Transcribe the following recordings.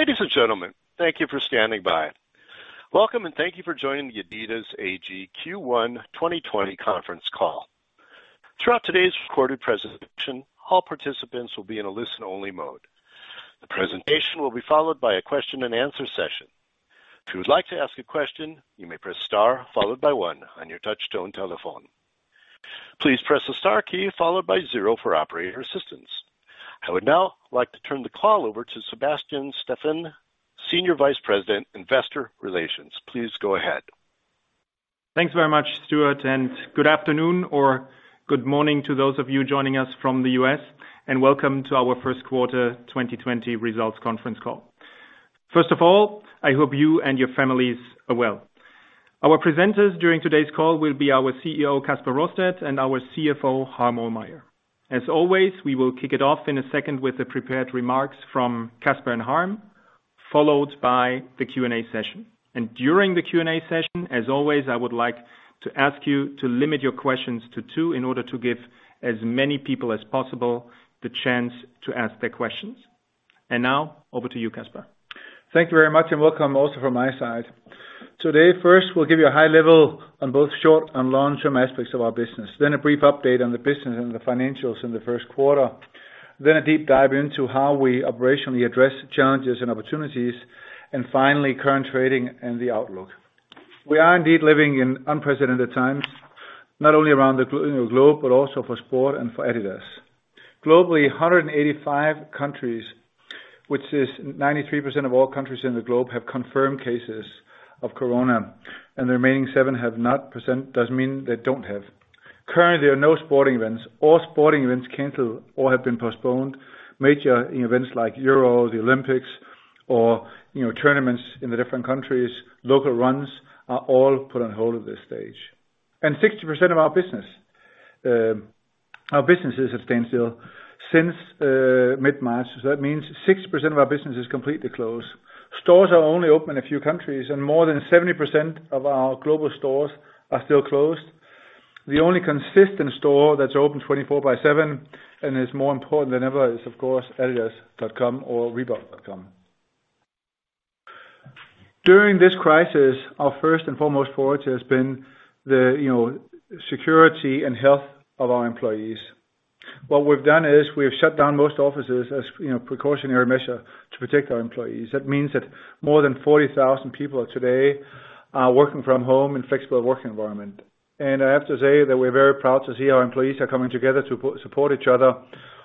Ladies and gentlemen, thank you for standing by. Welcome, and thank you for joining the adidas AG Q1 2020 conference call. Throughout today's recorded presentation, all participants will be in a listen-only mode. The presentation will be followed by a question and answer session. If you would like to ask a question, you may press star followed by one on your touch-tone telephone. Please press the star key followed by zero for operator assistance. I would now like to turn the call over to Sebastian Steffen, Senior Vice President, Investor Relations. Please go ahead. Thanks very much, Stuart. Good afternoon or good morning to those of you joining us from the U.S., welcome to our first quarter 2020 results conference call. First of all, I hope you and your families are well. Our presenters during today's call will be our CEO, Kasper Rorsted, and our CFO, Harm Ohlmeyer. As always, we will kick it off in a second with the prepared remarks from Kasper and Harm, followed by the Q&A session. During the Q&A session, as always, I would like to ask you to limit your questions to two in order to give as many people as possible the chance to ask their questions. Now over to you, Kasper. Thank you very much, and welcome also from my side. Today, first, we'll give you a high level on both short and long-term aspects of our business, then a brief update on the business and the financials in the first quarter, then a deep dive into how we operationally address the challenges and opportunities, and finally, current trading and the outlook. We are indeed living in unprecedented times, not only around the globe, but also for sport and for adidas. Globally, 185 countries, which is 93% of all countries in the globe, have confirmed cases of COVID-19, and the remaining seven have not. % doesn't mean they don't have. Currently, there are no sporting events. All sporting events canceled or have been postponed. Major events like Euro, the Olympics, or tournaments in the different countries, local runs, are all put on hold at this stage. 60% of our businesses have standstill since mid-March. That means 60% of our business is completely closed. Stores are only open in a few countries, and more than 70% of our global stores are still closed. The only consistent store that's open 24 by seven and is more important than ever is, of course, adidas.com or reebok.com. During this crisis, our first and foremost priority has been the security and health of our employees. What we've done is we've shut down most offices as a precautionary measure to protect our employees. That means that more than 40,000 people today are working from home in flexible work environment. I have to say that we're very proud to see our employees are coming together to support each other,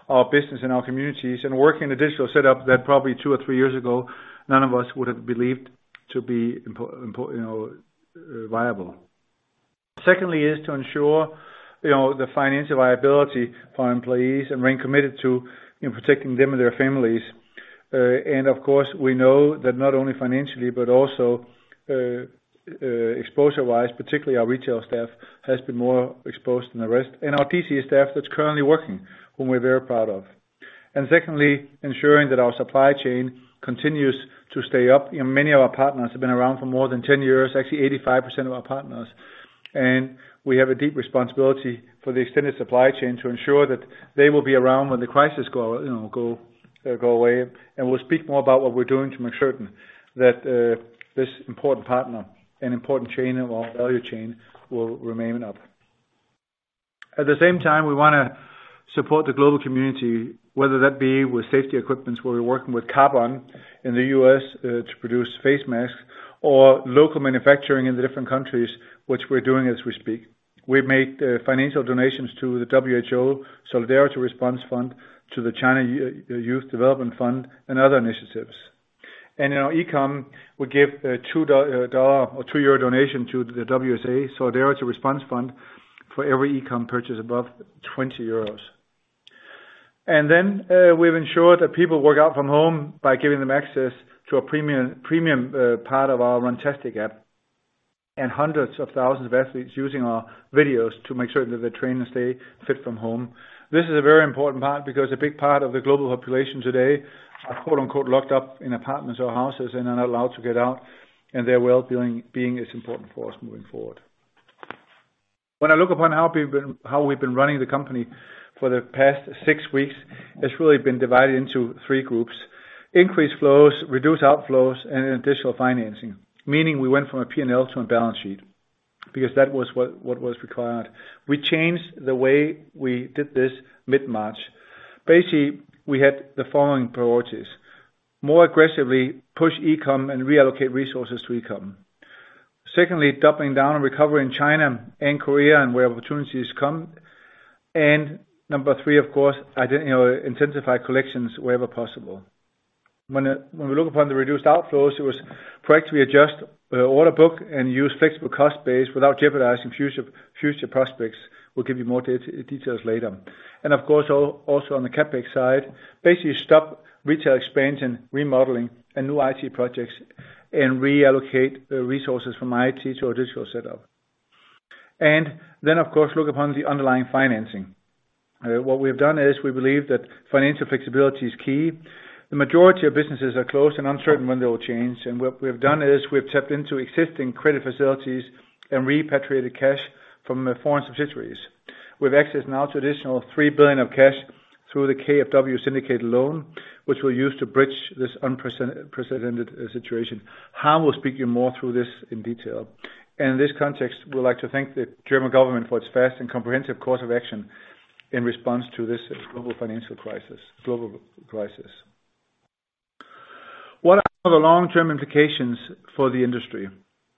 our business, and our communities, and work in a digital set up that probably two or three years ago, none of us would have believed to be viable. Secondly, is to ensure the financial viability for our employees and remain committed to protecting them and their families. Of course, we know that not only financially but also exposure-wise, particularly our retail staff, has been more exposed than the rest, and our DC staff that's currently working, whom we're very proud of. Secondly, ensuring that our supply chain continues to stay up. Many of our partners have been around for more than 10 years, actually 85% of our partners. We have a deep responsibility for the extended supply chain to ensure that they will be around when the crisis go away. We'll speak more about what we're doing to make certain that this important partner and important chain of our value chain will remain up. At the same time, we want to support the global community, whether that be with safety equipment, where we're working with Carbon in the U.S. to produce face masks or local manufacturing in the different countries, which we're doing as we speak. We've made financial donations to the WHO Solidarity Response Fund, to the China Youth Development Foundation, and other initiatives. In our e-com, we give a EUR 2 or 2 euro donation to the WHO Solidarity Response Fund for every e-com purchase above 20 euros. We've ensured that people work out from home by giving them access to a premium part of our Runtastic app, and hundreds of thousands of athletes using our videos to make sure that they train and stay fit from home. This is a very important part because a big part of the global population today are "locked up" in apartments or houses and are not allowed to get out, and their wellbeing is important for us moving forward. When I look upon how we've been running the company for the past six weeks, it's really been divided into three groups, increase flows, reduce outflows, and additional financing, meaning we went from a P&L to a balance sheet because that was what was required. We changed the way we did this mid-March. Basically, we had the following priorities. More aggressively push e-com and reallocate resources to e-com. Secondly, doubling down and recover in China and Korea and where opportunities come. Number three, of course, intensify collections wherever possible. When we look upon the reduced outflows, it was practically adjust the order book and use flexible cost base without jeopardizing future prospects. We'll give you more details later. Of course, also on the CapEx side, basically stop retail expansion, remodeling, and new IT projects, and reallocate the resources from IT to a digital setup. Then, of course, look upon the underlying financing. What we have done is we believe that financial flexibility is key. The majority of businesses are closed and uncertain when they will change. What we've done is we've tapped into existing credit facilities and repatriated cash from foreign subsidiaries. We have access now to additional 3 billion of cash through the KfW syndicate loan, which we'll use to bridge this unprecedented situation. Harm will speak you more through this in detail. In this context, we'd like to thank the German government for its fast and comprehensive course of action in response to this global crisis. What are the long-term implications for the industry?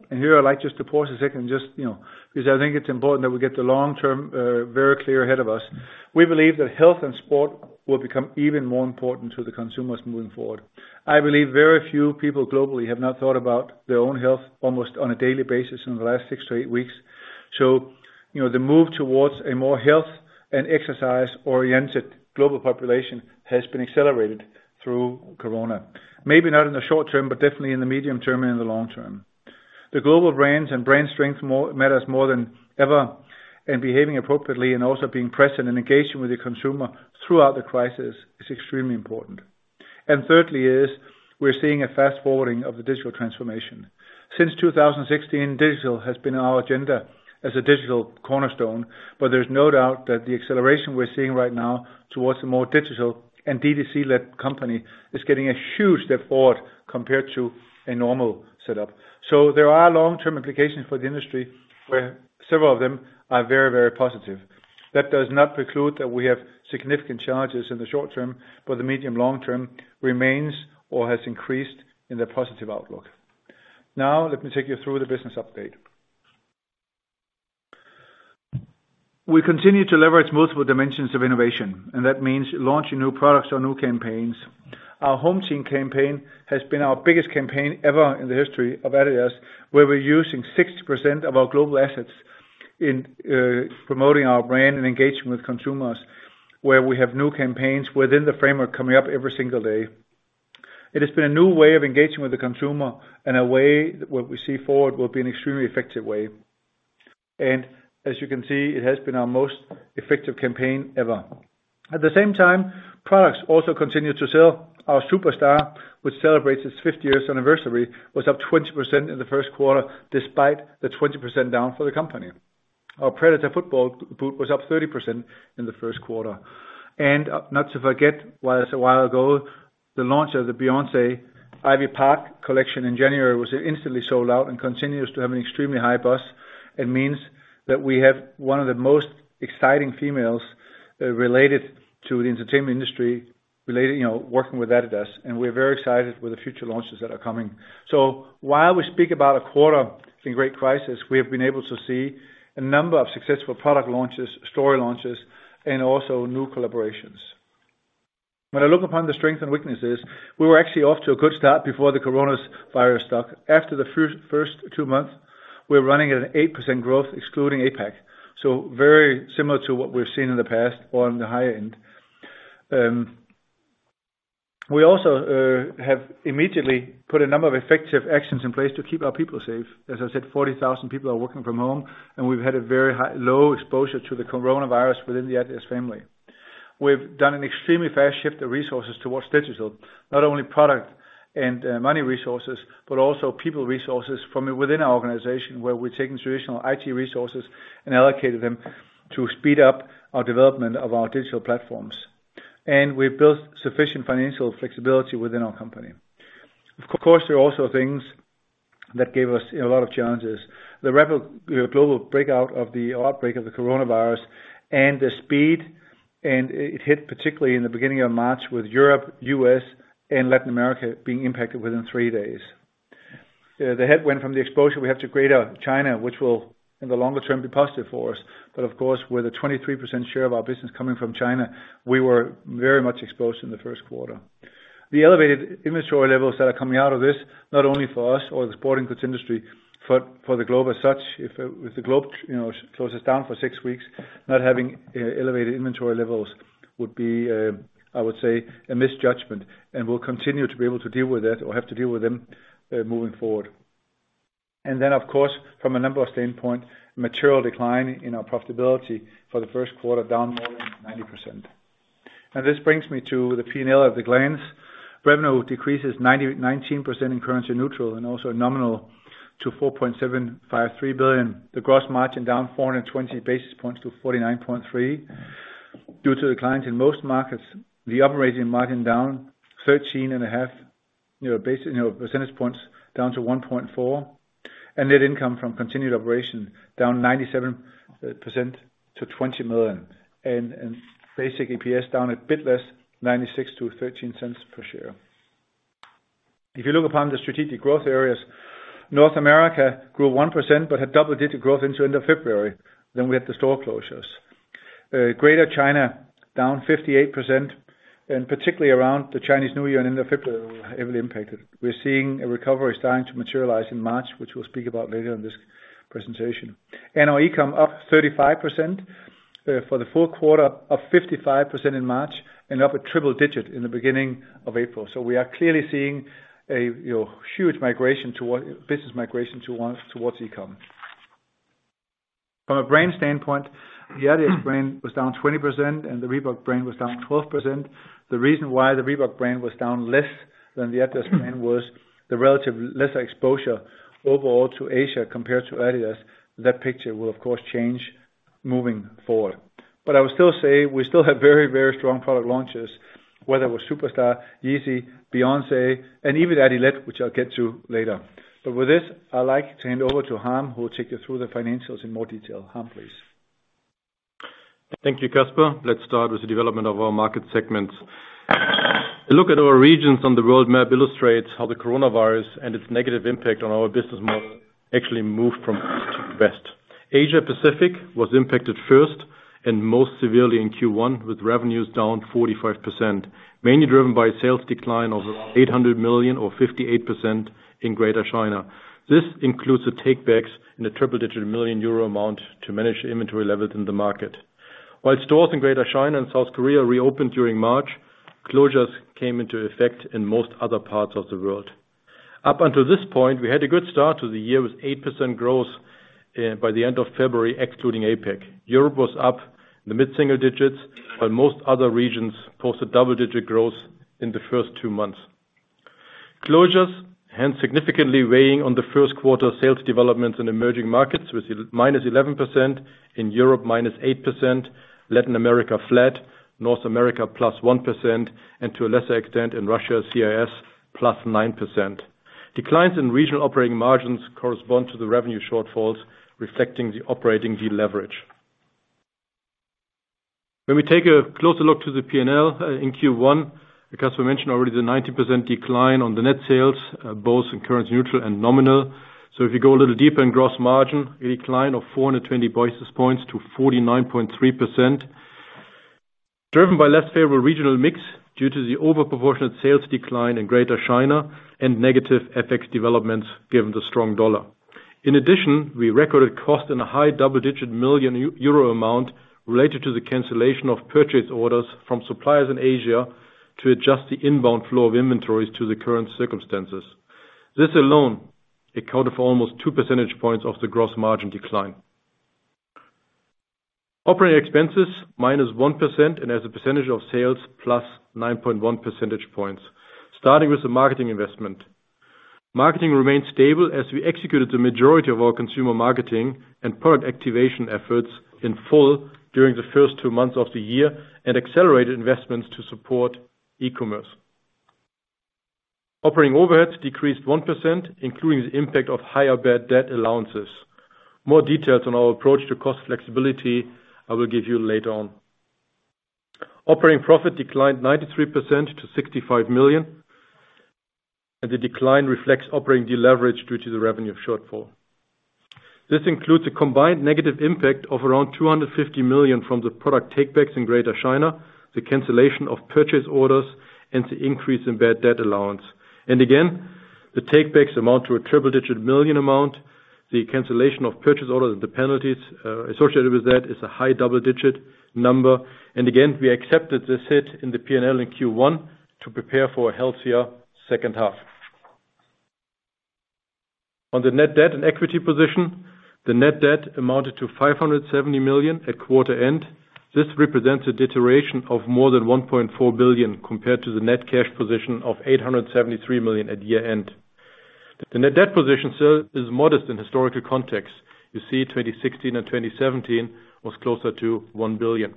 Here I'd like just to pause a second because I think it's important that we get the long-term very clear ahead of us. We believe that health and sport will become even more important to the consumers moving forward. I believe very few people globally have not thought about their own health almost on a daily basis in the last six to eight weeks. The move towards a more health and exercise-oriented global population has been accelerated through coronavirus. Maybe not in the short term, but definitely in the medium term and in the long term. The global brands and brand strength matters more than ever, behaving appropriately and also being present and engaging with the consumer throughout the crisis is extremely important. Thirdly, we are seeing a fast-forwarding of the digital transformation. Since 2016, digital has been our agenda as a digital cornerstone, but there is no doubt that the acceleration we are seeing right now towards a more digital and D2C-led company is getting a huge step forward compared to a normal setup. There are long-term implications for the industry, where several of them are very positive. That does not preclude that we have significant challenges in the short term, but the medium long-term remains or has increased in the positive outlook. Let me take you through the business update. We continue to leverage multiple dimensions of innovation, and that means launching new products or new campaigns. Our HomeTeam campaign has been our biggest campaign ever in the history of adidas, where we are using 60% of our global assets in promoting our brand and engaging with consumers, where we have new campaigns within the framework coming up every single day. It has been a new way of engaging with the consumer and a way that what we see forward will be an extremely effective way. As you can see, it has been our most effective campaign ever. At the same time, products also continue to sell. Our Superstar, which celebrates its 50 years anniversary, was up 20% in the first quarter, despite the 20% down for the company. Our Predator football boot was up 30% in the first quarter. Not to forget, whereas a while ago, the launch of the Beyoncé Ivy Park collection in January was instantly sold out and continues to have an extremely high buzz. It means that we have one of the most exciting females related to the entertainment industry working with adidas, and we're very excited with the future launches that are coming. While we speak about a quarter in great crisis, we have been able to see a number of successful product launches, story launches, and also new collaborations. When I look upon the strengths and weaknesses, we were actually off to a good start before the coronavirus struck. After the first two months, we were running at an 8% growth excluding APAC. Very similar to what we've seen in the past on the higher end. We also have immediately put a number of effective actions in place to keep our people safe. As I said, 40,000 people are working from home, and we've had a very low exposure to the coronavirus within the adidas family. We've done an extremely fast shift of resources towards digital, not only product and money resources, but also people resources from within our organization, where we're taking traditional IT resources and allocated them to speed up our development of our digital platforms. We've built sufficient financial flexibility within our company. Of course, there are also things that gave us a lot of challenges. The rapid global outbreak of the coronavirus and the speed. It hit particularly in the beginning of March with Europe, U.S., and Latin America being impacted within three days. The headwind from the exposure we have to Greater China which will in the longer term be positive for us. Of course, with a 23% share of our business coming from China, we were very much exposed in the first quarter. The elevated inventory levels that are coming out of this, not only for us or the sporting goods industry, but for the globe as such, if the globe closes down for six weeks, not having elevated inventory levels would be, I would say, a misjudgment, and we'll continue to be able to deal with that or have to deal with them moving forward. Of course, from a numbers standpoint, material decline in our profitability for the first quarter down more than 90%. This brings me to the P&L at the glance. Revenue decreases 19% in currency neutral and also nominal to 4.753 billion. The gross margin down 420 basis points to 49.3%. Due to the decline in most markets, the operating margin down 13.5 percentage points down to 1.4%, and net income from continued operation down 97% to 20 million. Basic EPS down a bit less 96% to 0.13 per share. If you look upon the strategic growth areas, North America grew 1% but had double-digit growth into end of February. We had the store closures. Greater China down 58%, and particularly around the Chinese New Year and end of February, heavily impacted. We're seeing a recovery starting to materialize in March, which we'll speak about later in this presentation. Our e-com up 35% for the full quarter, up 55% in March, and up a triple digit in the beginning of April. We are clearly seeing a huge business migration towards e-com. From a brand standpoint, the adidas brand was down 20% and the Reebok brand was down 12%. The reason why the Reebok brand was down less than the adidas brand was the relative lesser exposure overall to Asia compared to adidas. That picture will, of course, change moving forward. I would still say we still have very, very strong product launches, whether with Superstar, Yeezy, Beyoncé, and even Adilette, which I'll get to later. With this, I'd like to hand over to Harm, who will take you through the financials in more detail. Harm, please. Thank you, Kasper. Let's start with the development of our market segments. A look at our regions on the world map illustrates how the coronavirus and its negative impact on our business model actually moved from east to west. Asia Pacific was impacted first and most severely in Q1, with revenues down 45%, mainly driven by a sales decline of around 800 million or 58% in Greater China. This includes the take-backs in the triple-digit million EUR amount to manage the inventory levels in the market. While stores in Greater China and South Korea reopened during March, closures came into effect in most other parts of the world. Up until this point, we had a good start to the year with 8% growth by the end of February, excluding APAC. Europe was up in the mid-single digits, while most other regions posted double-digit growth in the first two months. Closures hence significantly weighing on the first quarter sales developments in emerging markets with -11%, in Europe -8%, Latin America flat, North America +1%, and to a lesser extent, in Russia, CIS +9%. Declines in regional operating margins correspond to the revenue shortfalls reflecting the operating deleverage. When we take a closer look to the P&L in Q1, as Kasper mentioned already, the 90% decline on the net sales, both in currency neutral and nominal. If you go a little deeper in gross margin, a decline of 420 basis points to 49.3%, driven by less favorable regional mix due to the over-proportionate sales decline in Greater China and negative FX developments given the strong dollar. In addition, we recorded cost in a high double-digit million EUR amount related to the cancellation of purchase orders from suppliers in Asia to adjust the inbound flow of inventories to the current circumstances. This alone accounted for almost two percentage points of the gross margin decline. Operating expenses, -1%, and as a percentage of sales, plus 9.1 percentage points. Starting with the marketing investment. Marketing remained stable as we executed the majority of our consumer marketing and product activation efforts in full during the first two months of the year and accelerated investments to support e-commerce. Operating overheads decreased 1%, including the impact of higher bad debt allowances. More details on our approach to cost flexibility I will give you later on. Operating profit declined 93% to 65 million, and the decline reflects operating deleverage due to the revenue shortfall. This includes a combined negative impact of around 250 million from the product takebacks in Greater China, the cancellation of purchase orders, and the increase in bad debt allowance. Again, the takebacks amount to a EUR triple-digit million amount. The cancellation of purchase orders and the penalties associated with that is a high double-digit number. Again, we accepted this hit in the P&L in Q1 to prepare for a healthier second half. On the net debt and equity position, the net debt amounted to 570 million at quarter end. This represents a deterioration of more than 1.4 billion compared to the net cash position of 873 million at year-end. The net debt position still is modest in historical context. You see 2016 and 2017 was closer to 1 billion.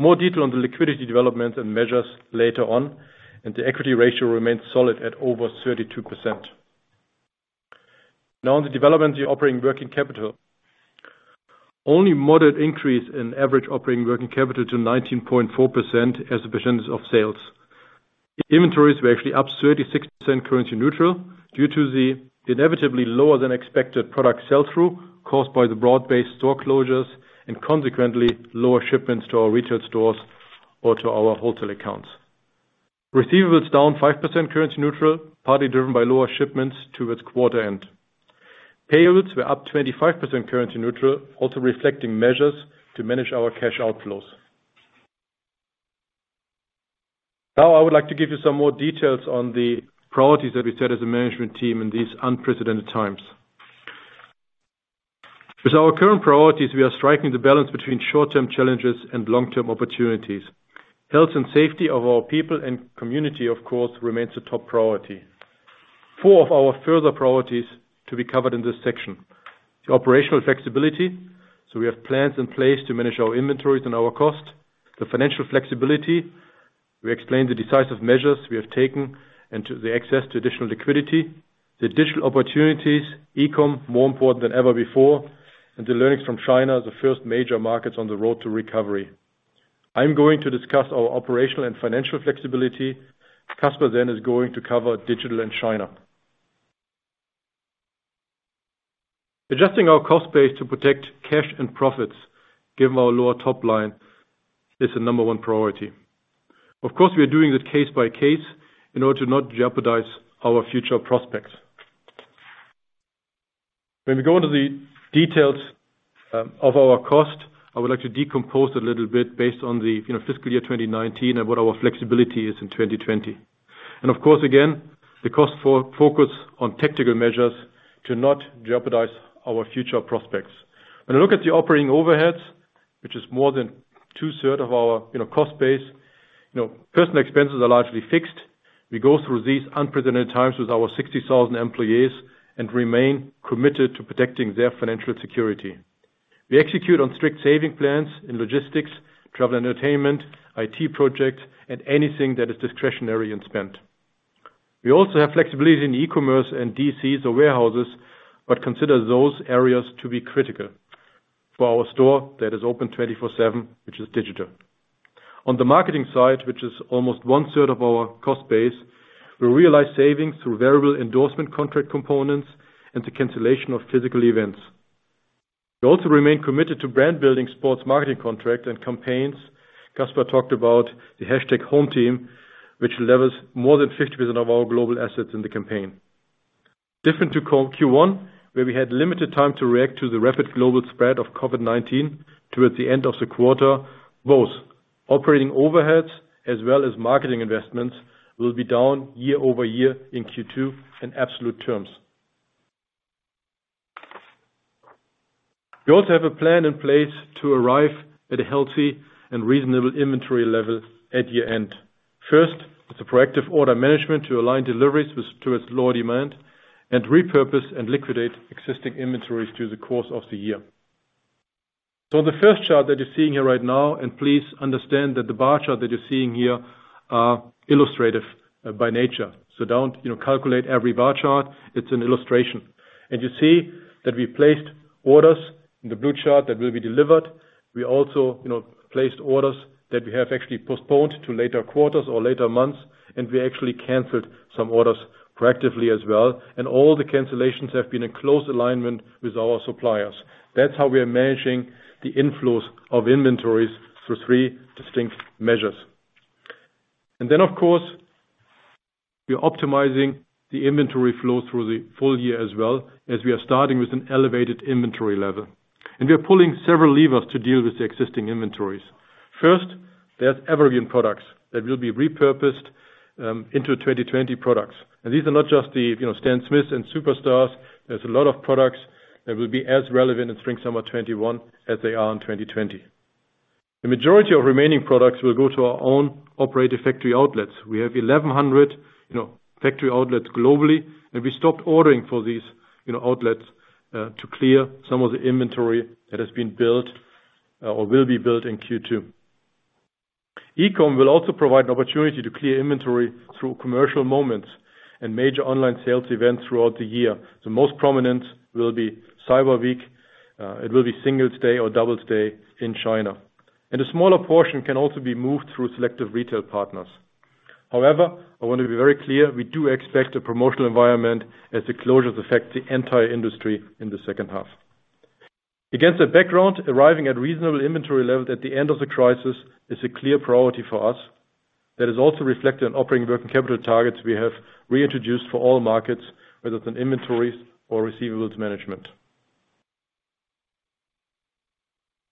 More detail on the liquidity developments and measures later on. The equity ratio remains solid at over 32%. On the development of the operating working capital. Only moderate increase in average operating working capital to 19.4% as a percentage of sales. Inventories were actually up 36% currency neutral due to the inevitably lower than expected product sell-through caused by the broad-based store closures and consequently lower shipments to our retail stores or to our wholesale accounts. Receivables down 5% currency neutral, partly driven by lower shipments towards quarter end. Payables were up 25% currency neutral, also reflecting measures to manage our cash outflows. I would like to give you some more details on the priorities that we set as a management team in these unprecedented times. With our current priorities, we are striking the balance between short-term challenges and long-term opportunities. Health and safety of our people and community, of course, remains the top priority. Four of our further priorities to be covered in this section. The operational flexibility. We have plans in place to manage our inventories and our cost. The financial flexibility. We explained the decisive measures we have taken and the access to additional liquidity. The digital opportunities. E-com, more important than ever before. The learnings from China as the first major markets on the road to recovery. I'm going to discuss our operational and financial flexibility. Kasper then is going to cover digital and China. Adjusting our cost base to protect cash and profits given our lower top line is the number one priority. Of course, we are doing this case by case in order to not jeopardize our future prospects. When we go into the details of our cost, I would like to decompose a little bit based on the fiscal year 2019 and what our flexibility is in 2020. Of course, again, the cost focus on tactical measures to not jeopardize our future prospects. When you look at the operating overheads, which is more than two-thirds of our cost base. Personal expenses are largely fixed. We go through these unprecedented times with our 60,000 employees and remain committed to protecting their financial security. We execute on strict saving plans in logistics, travel and entertainment, IT projects, and anything that is discretionary in spend. We also have flexibility in e-commerce and DCs or warehouses, but consider those areas to be critical for our store that is open 24/7, which is digital. On the marketing side, which is almost one-third of our cost base, we realize savings through variable endorsement contract components and the cancellation of physical events. We also remain committed to brand-building sports marketing contracts and campaigns. Kasper talked about the #HomeTeam, which levers more than 50% of our global assets in the campaign. Different to Q1, where we had limited time to react to the rapid global spread of COVID-19 towards the end of the quarter, both operating overheads as well as marketing investments will be down year-over-year in Q2 in absolute terms. We also have a plan in place to arrive at a healthy and reasonable inventory level at year-end. First, it's a proactive order management to align deliveries towards lower demand and repurpose and liquidate existing inventories through the course of the year. The first chart that you're seeing here right now, and please understand that the bar chart that you're seeing here are illustrative by nature. Don't calculate every bar chart. It's an illustration. You see that we placed orders in the blue chart that will be delivered. We also placed orders that we have actually postponed to later quarters or later months. We actually canceled some orders proactively as well. All the cancellations have been in close alignment with our suppliers. That's how we are managing the inflows of inventories through three distinct measures. Of course, we are optimizing the inventory flow through the full year as well as we are starting with an elevated inventory level. We are pulling several levers to deal with the existing inventories. First, there's evergreen products that will be repurposed into 2020 products. These are not just the Stan Smith and Superstar. There's a lot of products that will be as relevant in spring/summer 2021 as they are in 2020. The majority of remaining products will go to our own operated factory outlets. We have 1,100 factory outlets globally, and we stopped ordering for these outlets to clear some of the inventory that has been built or will be built in Q2. E-com will also provide an opportunity to clear inventory through commercial moments and major online sales events throughout the year. The most prominent will be Cyber Week. It will be Singles' Day or Double 11 in China. A smaller portion can also be moved through selective retail partners. However, I want to be very clear, we do expect a promotional environment as the closures affect the entire industry in the second half. Against that background, arriving at reasonable inventory levels at the end of the crisis is a clear priority for us. That is also reflected in operating working capital targets we have reintroduced for all markets, whether it's in inventories or receivables management.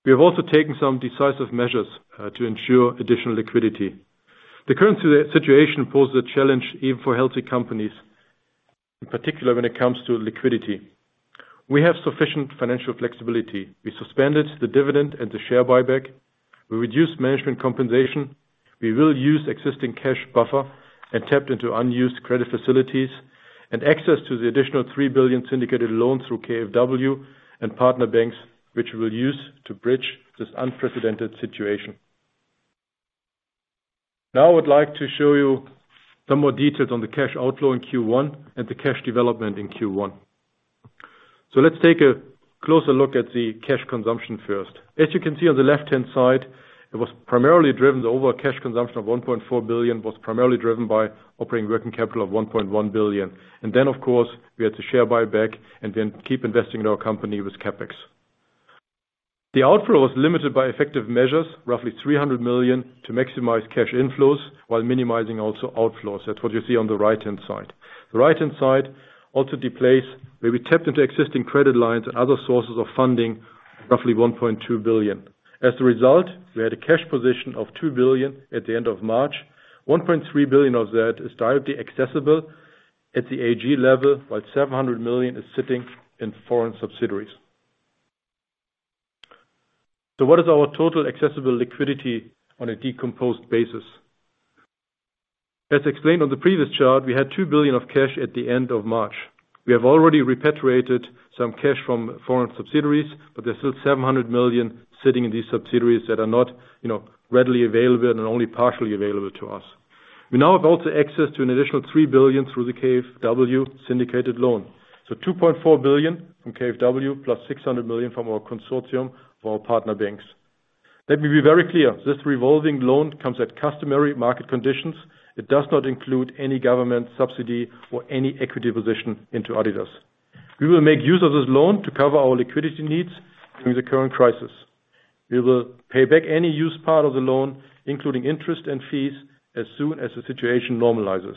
We have also taken some decisive measures to ensure additional liquidity. The current situation poses a challenge even for healthy companies, in particular when it comes to liquidity. We have sufficient financial flexibility. We suspended the dividend and the share buyback. We reduced management compensation. We will use existing cash buffer and tap into unused credit facilities and access to the additional 3 billion syndicated loan through KfW and partner banks, which we'll use to bridge this unprecedented situation. I would like to show you some more details on the cash outflow in Q1 and the cash development in Q1. Let's take a closer look at the cash consumption first. As you can see on the left-hand side, the over cash consumption of 1.4 billion was primarily driven by operating working capital of 1.1 billion. Of course, we had to share buyback and then keep investing in our company with CapEx. The outflow was limited by effective measures, roughly 300 million, to maximize cash inflows while minimizing also outflows. That's what you see on the right-hand side. The right-hand side also displays where we tapped into existing credit lines and other sources of funding, roughly 1.2 billion. As a result, we had a cash position of 2 billion at the end of March. 1.3 billion of that is directly accessible at the AG level, while 700 million is sitting in foreign subsidiaries. What is our total accessible liquidity on a decomposed basis? As explained on the previous chart, we had 2 billion of cash at the end of March. We have already repatriated some cash from foreign subsidiaries, but there's still 700 million sitting in these subsidiaries that are not readily available and are only partially available to us. We now have also access to an additional 3 billion through the KfW syndicated loan. 2.4 billion from KfW plus 600 million from our consortium of our partner banks. Let me be very clear. This revolving loan comes at customary market conditions. It does not include any government subsidy or any equity position into adidas. We will make use of this loan to cover our liquidity needs during the current crisis. We will pay back any used part of the loan, including interest and fees, as soon as the situation normalizes.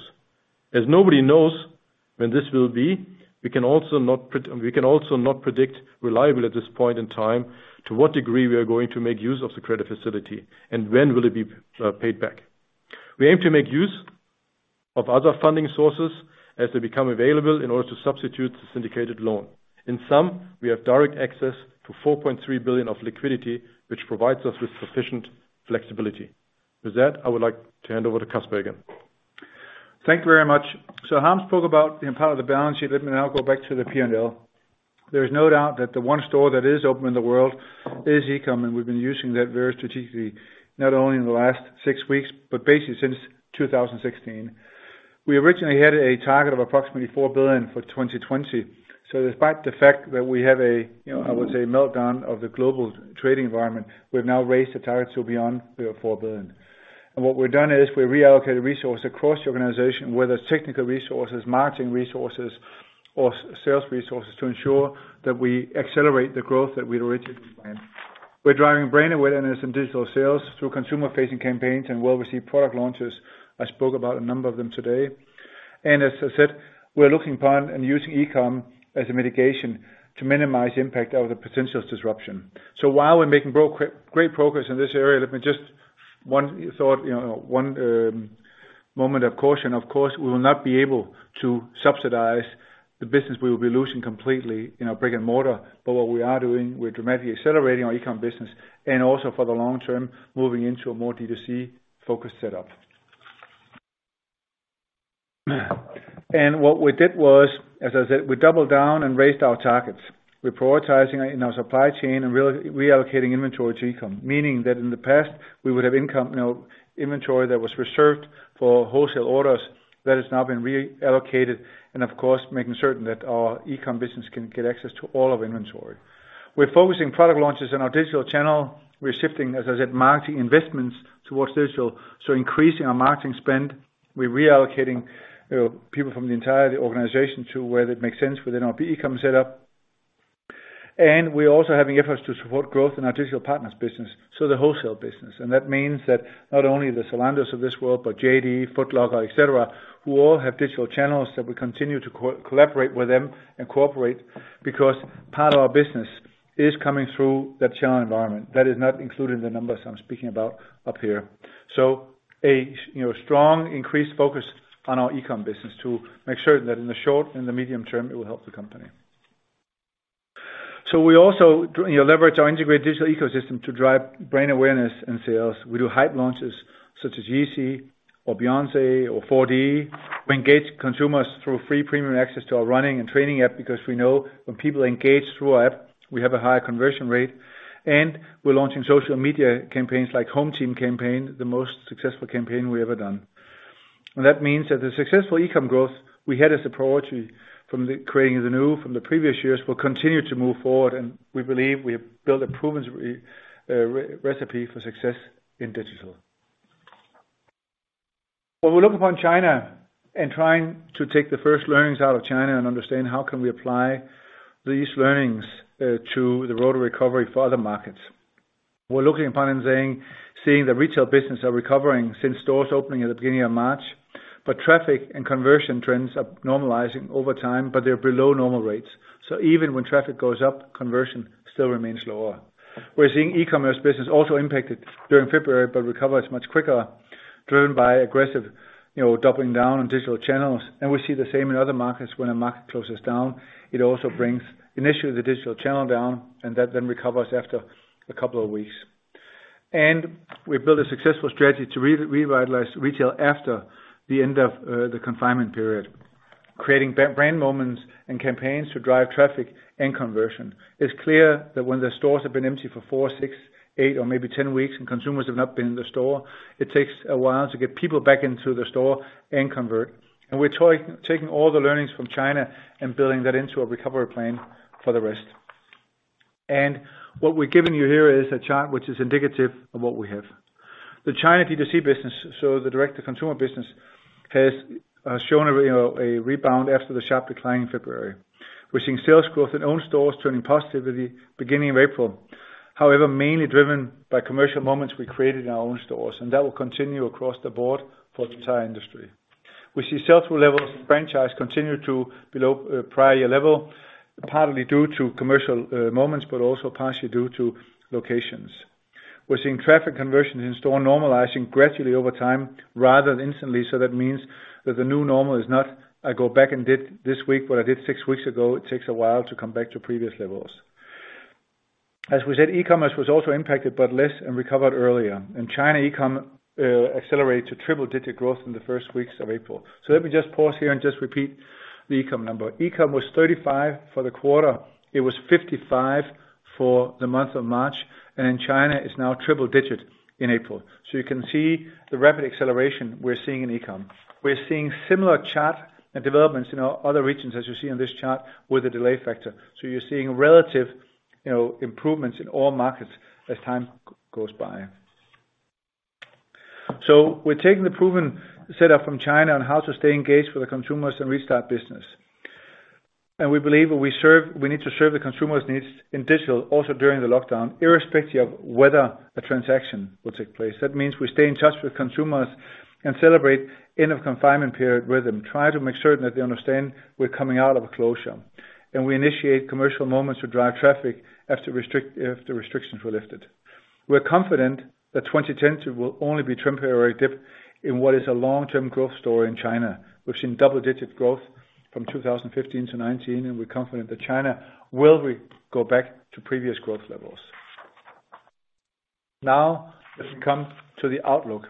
As nobody knows when this will be, we can also not predict reliably at this point in time to what degree we are going to make use of the credit facility and when will it be paid back. We aim to make use of other funding sources as they become available in order to substitute the syndicated loan. In sum, we have direct access to 4.3 billion of liquidity, which provides us with sufficient flexibility. With that, I would like to hand over to Kasper again. Thank you very much. Harm spoke about the impact of the balance sheet. Let me now go back to the P&L. There is no doubt that the one store that is open in the world is e-com, and we've been using that very strategically, not only in the last six weeks, but basically since 2016. We originally had a target of approximately 4 billion for 2020. Despite the fact that we have a, I would say, meltdown of the global trade environment, we've now raised the target to beyond 4 billion. What we've done is we reallocated resources across the organization, whether it's technical resources, marketing resources, or sales resources, to ensure that we accelerate the growth that we'd originally planned. We're driving brand awareness in digital sales through consumer-facing campaigns and well-received product launches. I spoke about a number of them today. As I said, we're looking upon and using e-com as a mitigation to minimize impact of the potential disruption. While we're making great progress in this area, let me just one thought, one moment of caution. Of course, we will not be able to subsidize the business we will be losing completely in our brick and mortar. What we are doing, we're dramatically accelerating our e-com business and also for the long term, moving into a more D2C-focused setup. What we did was, as I said, we doubled down and raised our targets. We're prioritizing in our supply chain and reallocating inventory to e-com, meaning that in the past, we would have inventory that was reserved for wholesale orders that has now been reallocated, and of course, making certain that our e-com business can get access to all of inventory. We're focusing product launches on our digital channel. We're shifting, as I said, marketing investments towards digital, so increasing our marketing spend. We're reallocating people from the entire organization to where that makes sense within our e-com setup. We're also having efforts to support growth in our digital partners business, so the wholesale business. That means that not only the Zalandos of this world, but JD, Foot Locker, et cetera, who all have digital channels that we continue to collaborate with them and cooperate because part of our business is coming through that channel environment. That is not included in the numbers I'm speaking about up here. A strong increased focus on our e-com business to make certain that in the short and the medium term, it will help the company. We also leverage our integrated digital ecosystem to drive brand awareness and sales. We do hype launches such as Yeezy or Beyoncé or 4D. We engage consumers through free premium access to our running and training app because we know when people engage through our app, we have a higher conversion rate. We're launching social media campaigns like HomeTeam campaign, the most successful campaign we've ever done. That means that the successful e-com growth we had as approach from creating the new from the previous years will continue to move forward, and we believe we have built a proven recipe for success in digital. When we look upon China and trying to take the first learnings out of China and understand how can we apply these learnings to the road to recovery for other markets, we're looking upon and seeing the retail business are recovering since stores opening at the beginning of March, but traffic and conversion trends are normalizing over time, but they're below normal rates. Even when traffic goes up, conversion still remains lower. We're seeing e-commerce business also impacted during February, but recovers much quicker, driven by aggressive doubling down on digital channels. We see the same in other markets. When a market closes down, it also brings initially the digital channel down, and that then recovers after a couple of weeks. We've built a successful strategy to revitalize retail after the end of the confinement period, creating brand moments and campaigns to drive traffic and conversion. It's clear that when the stores have been empty for four, six, eight or maybe 10 weeks and consumers have not been in the store, it takes a while to get people back into the store and convert. We're taking all the learnings from China and building that into a recovery plan for the rest. What we're giving you here is a chart which is indicative of what we have. The China D2C business, so the direct-to-consumer business, has shown a rebound after the sharp decline in February. We're seeing sales growth in own stores turning positively beginning of April, however, mainly driven by commercial moments we created in our own stores, that will continue across the board for the entire industry. We see sell-through levels in franchise continue to below prior year level, partly due to commercial moments, but also partially due to locations. We're seeing traffic conversions in-store normalizing gradually over time rather than instantly, that means that the new normal is not I go back and did this week what I did six weeks ago. It takes a while to come back to previous levels. As we said, e-commerce was also impacted, but less and recovered earlier. In China, e-com accelerated to triple-digit growth in the first weeks of April. Let me just pause here and just repeat the e-com number. E-com was 35 for the quarter. It was 55 for the month of March, and in China, it's now triple-digit in April. You can see the rapid acceleration we're seeing in e-com. We're seeing similar chart and developments in our other regions, as you see on this chart, with a delay factor. You're seeing relative improvements in all markets as time goes by. We're taking the proven setup from China on how to stay engaged with the consumers and restart business. We believe we need to serve the consumer's needs in digital also during the lockdown, irrespective of whether a transaction will take place. That means we stay in touch with consumers and celebrate end of confinement period with them, try to make certain that they understand we're coming out of a closure. We initiate commercial moments to drive traffic after restrictions were lifted. We're confident that 2022 will only be temporary dip in what is a long-term growth story in China. We've seen double-digit growth from 2015 to 2019, and we're confident that China will go back to previous growth levels. As we come to the outlook,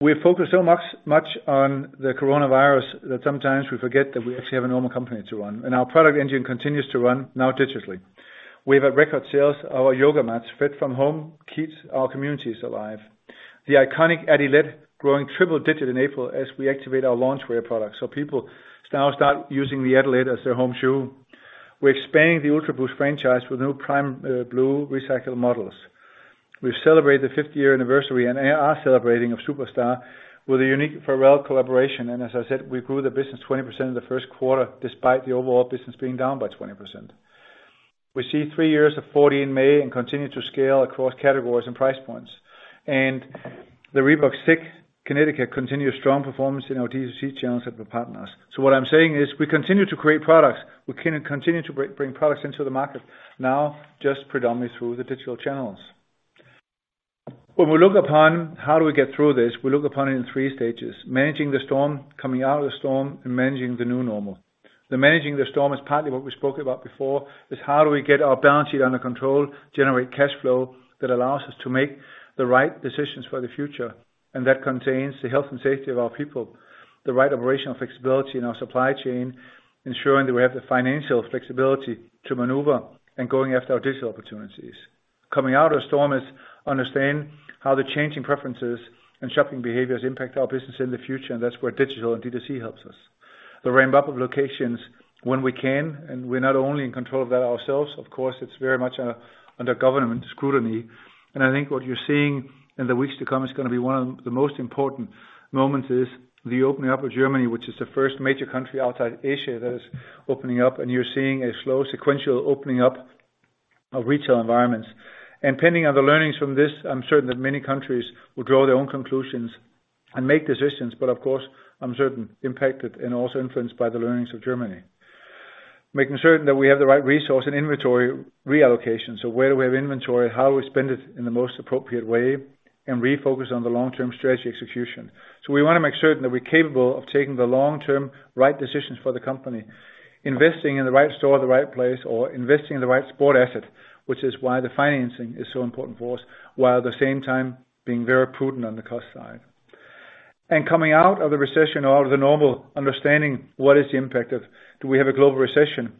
we focus so much on the COVID-19 that sometimes we forget that we actually have a normal company to run. Our product engine continues to run, now digitally. We have a record sales. Our yoga mats fit from home, keep our communities alive. The iconic Adilette growing triple-digit in April as we activate our launch wear products. People now start using the Adilette as their home shoe. We're expanding the UltraBoost franchise with new Primeblue recycled models. We celebrate the 50-year anniversary and are celebrating of Superstar with a unique Pharrell collaboration. As I said, we grew the business 20% in the first quarter, despite the overall business being down by 20%. We see three years of 4D in May and continue to scale across categories and price points. The Reebok Zig Kinetica continues strong performance in our D2C channels and with partners. What I'm saying is we continue to create products. We continue to bring products into the market, now just predominantly through the digital channels. When we look upon how do we get through this, we look upon it in 3 stages, managing the storm, coming out of the storm, and managing the new normal. The managing the storm is partly what we spoke about before, is how do we get our balance sheet under control, generate cash flow that allows us to make the right decisions for the future, and that contains the health and safety of our people, the right operational flexibility in our supply chain, ensuring that we have the financial flexibility to maneuver and going after our digital opportunities. Coming out of the storm is understand how the changing preferences and shopping behaviors impact our business in the future, that's where digital and D2C helps us. The ramp-up of locations when we can, we're not only in control of that ourselves, of course, it's very much under government scrutiny. I think what you're seeing in the weeks to come is going to be one of the most important moments is the opening up of Germany, which is the first major country outside Asia that is opening up, and you're seeing a slow sequential opening up of retail environments. Pending on the learnings from this, I'm certain that many countries will draw their own conclusions and make decisions, but of course, I'm certain impacted and also influenced by the learnings of Germany. Making certain that we have the right resource and inventory reallocation. Where do we have inventory? How do we spend it in the most appropriate way? Refocus on the long-term strategy execution. We want to make certain that we're capable of taking the long-term right decisions for the company, investing in the right store, the right place, or investing in the right sport asset, which is why the financing is so important for us, while at the same time being very prudent on the cost side. Coming out of the recession or the normal understanding what is the impact of, do we have a global recession?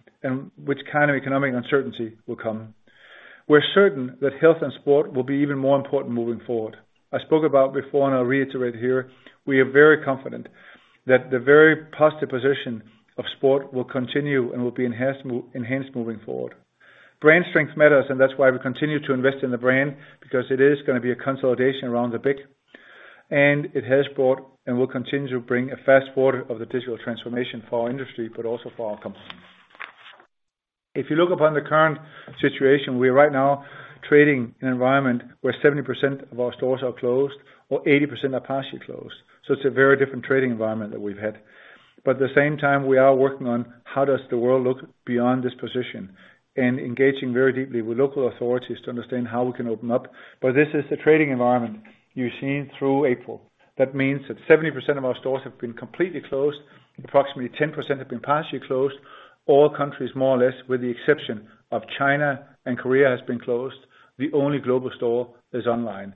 Which kind of economic uncertainty will come? We're certain that health and sport will be even more important moving forward. I spoke about before, and I'll reiterate here, we are very confident that the very positive position of sport will continue and will be enhanced moving forward. Brand strength matters. That's why we continue to invest in the brand because it is going to be a consolidation around the big. It has brought and will continue to bring a fast forward of the digital transformation for our industry, but also for our company. If you look upon the current situation, we are right now trading an environment where 70% of our stores are closed or 80% are partially closed. It's a very different trading environment that we've had. At the same time, we are working on how does the world look beyond this position and engaging very deeply with local authorities to understand how we can open up. This is the trading environment you've seen through April. That means that 70% of our stores have been completely closed, approximately 10% have been partially closed. All countries, more or less, with the exception of China and Korea has been closed. The only global store is online.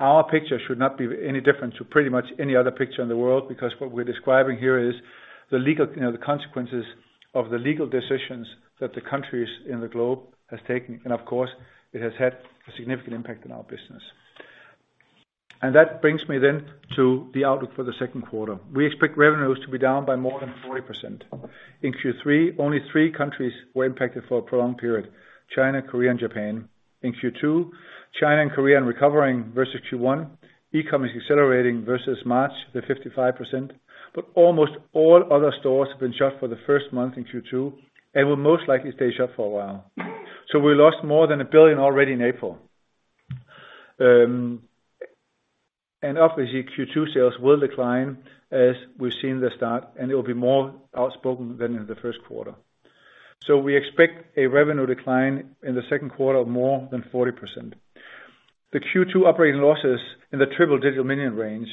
Our picture should not be any different to pretty much any other picture in the world because what we're describing here is the consequences of the legal decisions that the countries in the globe has taken. Of course, it has had a significant impact on our business. That brings me then to the outlook for the second quarter. We expect revenues to be down by more than 40%. In Q3, only three countries were impacted for a prolonged period, China, Korea, and Japan. In Q2, China and Korea are recovering versus Q1. E-com is accelerating versus March, the 55%, but almost all other stores have been shut for the first month in Q2 and will most likely stay shut for a while. We lost more than 1 billion already in April. Obviously, Q2 sales will decline as we've seen the start, and it will be more outspoken than in the first quarter. We expect a revenue decline in the second quarter of more than 40%. The Q2 operating losses in the triple digital million range.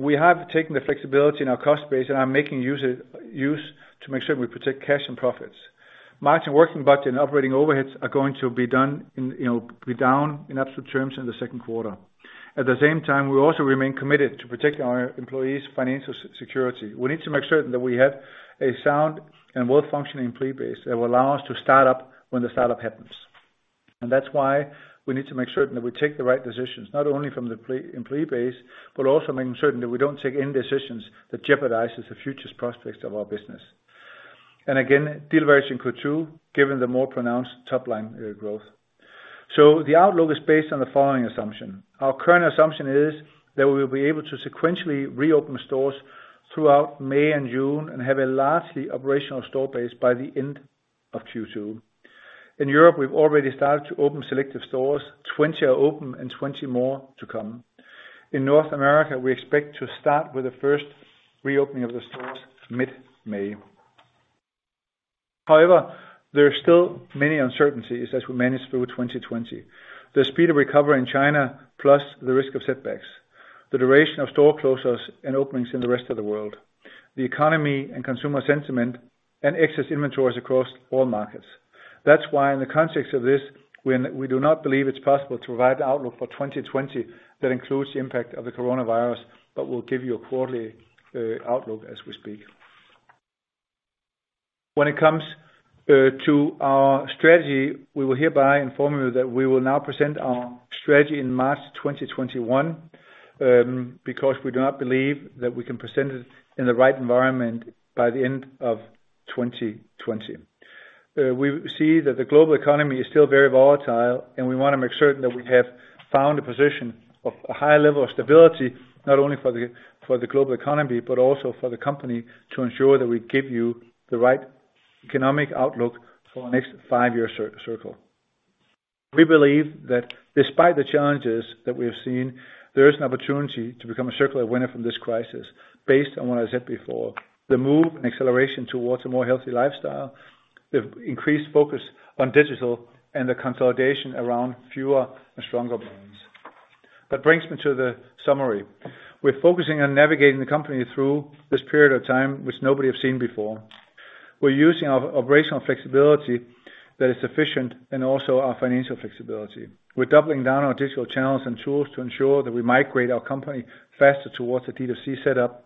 We have taken the flexibility in our cost base and are making use to make sure we protect cash and profits. Margin working budget and operating overheads are going to be down in absolute terms in the second quarter. At the same time, we also remain committed to protecting our employees' financial security. We need to make certain that we have a sound and well-functioning employee base that will allow us to start up when the startup happens. That's why we need to make certain that we take the right decisions, not only from the employee base, but also making certain that we don't take any decisions that jeopardizes the future prospects of our business. Again, dilution Q2, given the more pronounced top-line growth. The outlook is based on the following assumption. Our current assumption is that we will be able to sequentially reopen stores throughout May and June and have a largely operational store base by the end of Q2. In Europe, we've already started to open selective stores. 20 are open and 20 more to come. In North America, we expect to start with the first reopening of the stores mid-May. However, there are still many uncertainties as we manage through 2020. The speed of recovery in China, plus the risk of setbacks, the duration of store closures and openings in the rest of the world, the economy and consumer sentiment, and excess inventories across all markets. That's why in the context of this, we do not believe it's possible to provide the outlook for 2020 that includes the impact of the coronavirus, but we'll give you a quarterly outlook as we speak. When it comes to our strategy, we will hereby inform you that we will now present our strategy in March 2021, because we do not believe that we can present it in the right environment by the end of 2020. We see that the global economy is still very volatile. We want to make certain that we have found a position of a high level of stability, not only for the global economy, but also for the company, to ensure that we give you the right economic outlook for our next five-year circle. We believe that despite the challenges that we have seen, there is an opportunity to become a circular winner from this crisis based on what I said before, the move and acceleration towards a more healthy lifestyle, the increased focus on digital and the consolidation around fewer and stronger brands. That brings me to the summary. We're focusing on navigating the company through this period of time, which nobody has seen before. We're using our operational flexibility that is sufficient and also our financial flexibility. We're doubling down on digital channels and tools to ensure that we migrate our company faster towards the D2C setup.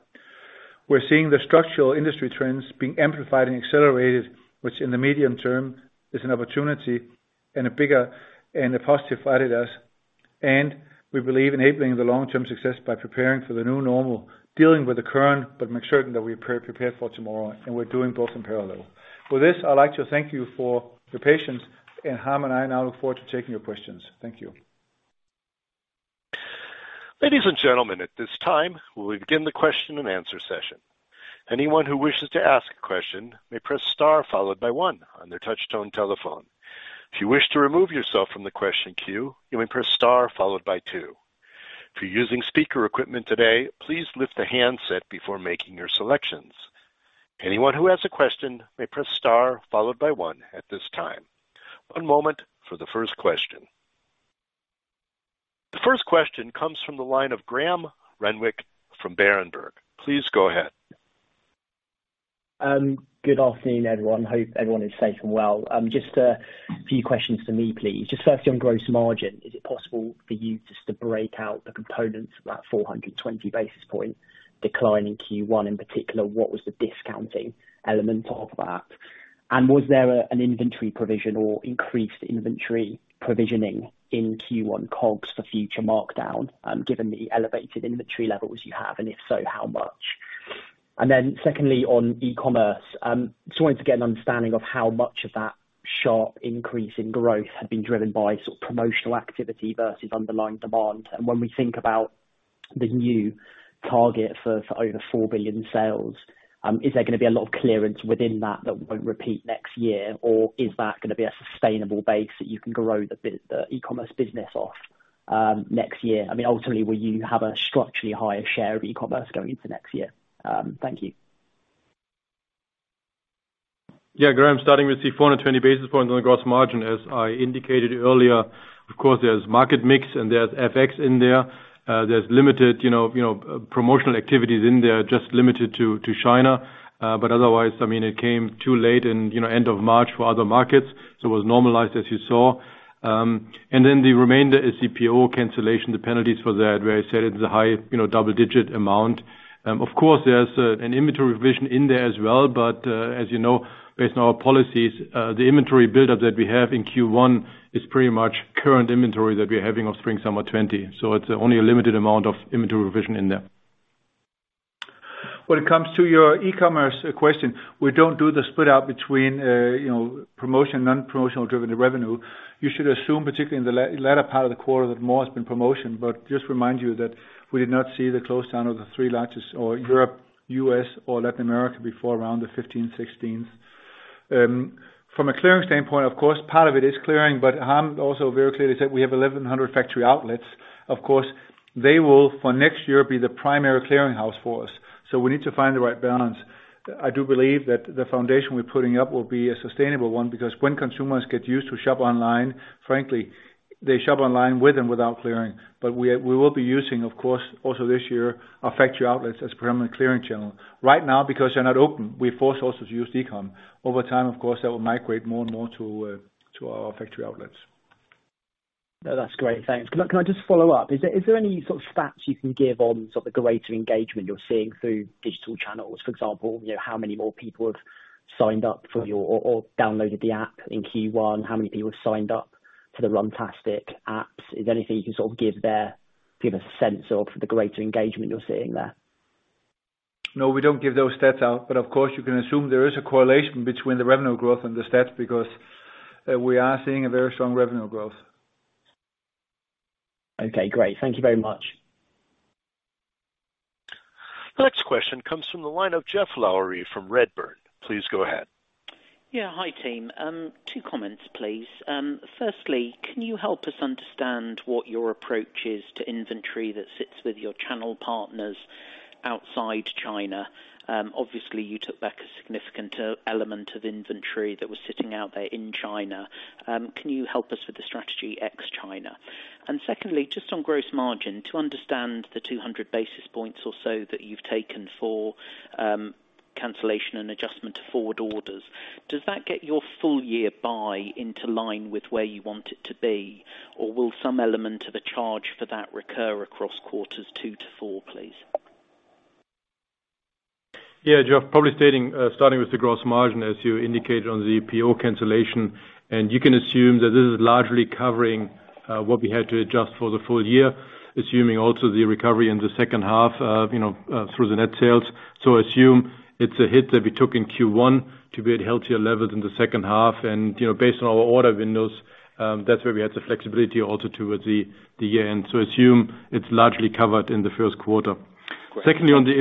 We're seeing the structural industry trends being amplified and accelerated, which in the medium term is an opportunity and a positive for adidas, and we believe enabling the long-term success by preparing for the new normal, dealing with the current, but make certain that we prepare for tomorrow, and we're doing both in parallel. For this, I'd like to thank you for your patience, and Harm and I now look forward to taking your questions. Thank you. Ladies and gentlemen, at this time, we will begin the question and answer session. Anyone who wishes to ask a question may press star followed by one on their touch-tone telephone. If you wish to remove yourself from the question queue, you may press star followed by two. If you're using speaker equipment today, please lift the handset before making your selections. Anyone who has a question may press star followed by one at this time. One moment for the first question. The first question comes from the line of Graham Renwick from Berenberg. Please go ahead. Good afternoon, everyone. Hope everyone is safe and well. Just a few questions for me, please. Firstly, on gross margin, is it possible for you just to break out the components of that 420 basis point decline in Q1? In particular, what was the discounting element of that? Was there an inventory provision or increased inventory provisioning in Q1 COGS for future markdown, given the elevated inventory levels you have, and if so, how much? Secondly, on e-commerce, just wanted to get an understanding of how much of that sharp increase in growth had been driven by promotional activity versus underlying demand. When we think about the new target for over 4 billion sales, is there going to be a lot of clearance within that that won't repeat next year? Is that going to be a sustainable base that you can grow the e-commerce business off next year? Ultimately, will you have a structurally higher share of e-commerce going into next year? Thank you. Graham, starting with the 420 basis points on the gross margin, as I indicated earlier, of course, there's market mix and there's FX in there. There's limited promotional activities in there, just limited to China. Otherwise, it came too late in end of March for other markets, so it was normalized as you saw. The remainder is PO cancellation, the penalties for that, where I said it's a high double-digit amount. Of course, there's an inventory revision in there as well, but, as you know, based on our policies, the inventory buildup that we have in Q1 is pretty much current inventory that we're having of spring/summer 2020. It's only a limited amount of inventory revision in there. When it comes to your e-commerce question, we don't do the split out between promotion, non-promotional driven revenue. You should assume, particularly in the latter part of the quarter, that more has been promotion. Just remind you that we did not see the close down of the three regions or Europe, U.S., or Latin America before around the 15th, 16th. From a clearing standpoint, of course, part of it is clearing. Harm also very clearly said we have 1,100 factory outlets. Of course, they will, for next year, be the primary clearinghouse for us. We need to find the right balance. I do believe that the foundation we're putting up will be a sustainable one because when consumers get used to shop online, frankly, they shop online with and without clearing. We will be using, of course, also this year, our factory outlets as primary clearing channel. Right now, because they're not open, we force sources to use e-com. Over time, of course, that will migrate more and more to our factory outlets. No, that's great. Thanks. Can I just follow up? Is there any sort of stats you can give on sort of the greater engagement you're seeing through digital channels? For example, how many more people have signed up for your or downloaded the app in Q1? How many people have signed up for the Runtastic apps? Is there anything you can sort of give there, give us a sense of the greater engagement you're seeing there? We don't give those stats out, of course, you can assume there is a correlation between the revenue growth and the stats because we are seeing a very strong revenue growth. Okay, great. Thank you very much. The next question comes from the line of Geoff Lowery from Redburn. Please go ahead. Yeah. Hi, team. Two comments, please. Firstly, can you help us understand what your approach is to inventory that sits with your channel partners outside China? Obviously, you took back a significant element of inventory that was sitting out there in China. Can you help us with the strategy ex-China? Secondly, just on gross margin, to understand the 200 basis points or so that you've taken for cancellation and adjustment to forward orders, does that get your full year buy into line with where you want it to be? Or will some element of the charge for that recur across quarters 2 to 4, please? Geoff, probably starting with the gross margin, as you indicated on the PO cancellation, you can assume that this is largely covering what we had to adjust for the full year, assuming also the recovery in the second half through the net sales. Assume it's a hit that we took in Q1 to be at healthier levels in the second half and based on our order windows, that's where we had the flexibility also towards the end. Assume it's largely covered in the first quarter. Great. Secondly, on the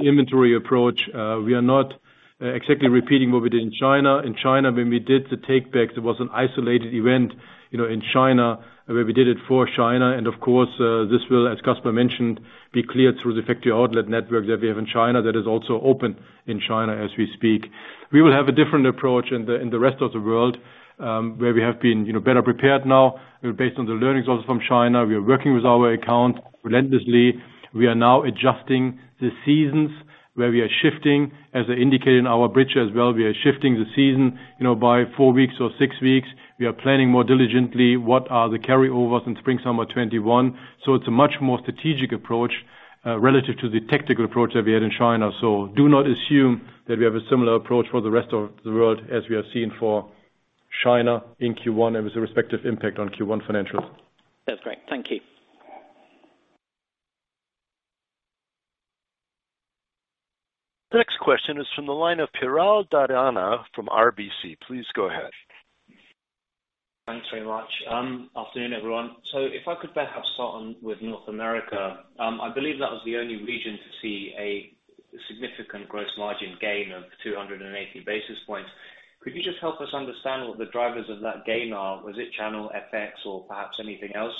inventory approach, we are not exactly repeating what we did in China. In China, when we did the take back, it was an isolated event. In China, where we did it for China, and of course, this will, as Kasper mentioned, be cleared through the factory outlet network that we have in China that is also open in China as we speak. We will have a different approach in the rest of the world, where we have been better prepared now based on the learnings also from China. We are working with our account relentlessly. We are now adjusting the seasons where we are shifting, as I indicated in our bridge as well, we are shifting the season by four weeks or six weeks. We are planning more diligently what are the carryovers in spring/summer 2021. It's a much more strategic approach, relative to the tactical approach that we had in China. Do not assume that we have a similar approach for the rest of the world as we have seen for China in Q1, and with the respective impact on Q1 financials. That's great. Thank you. The next question is from the line of Piral Dadhania from RBC. Please go ahead. Thanks very much. Afternoon, everyone. If I could perhaps start on with North America. I believe that was the only region to see a significant gross margin gain of 280 basis points. Could you just help us understand what the drivers of that gain are? Was it channel FX or perhaps anything else?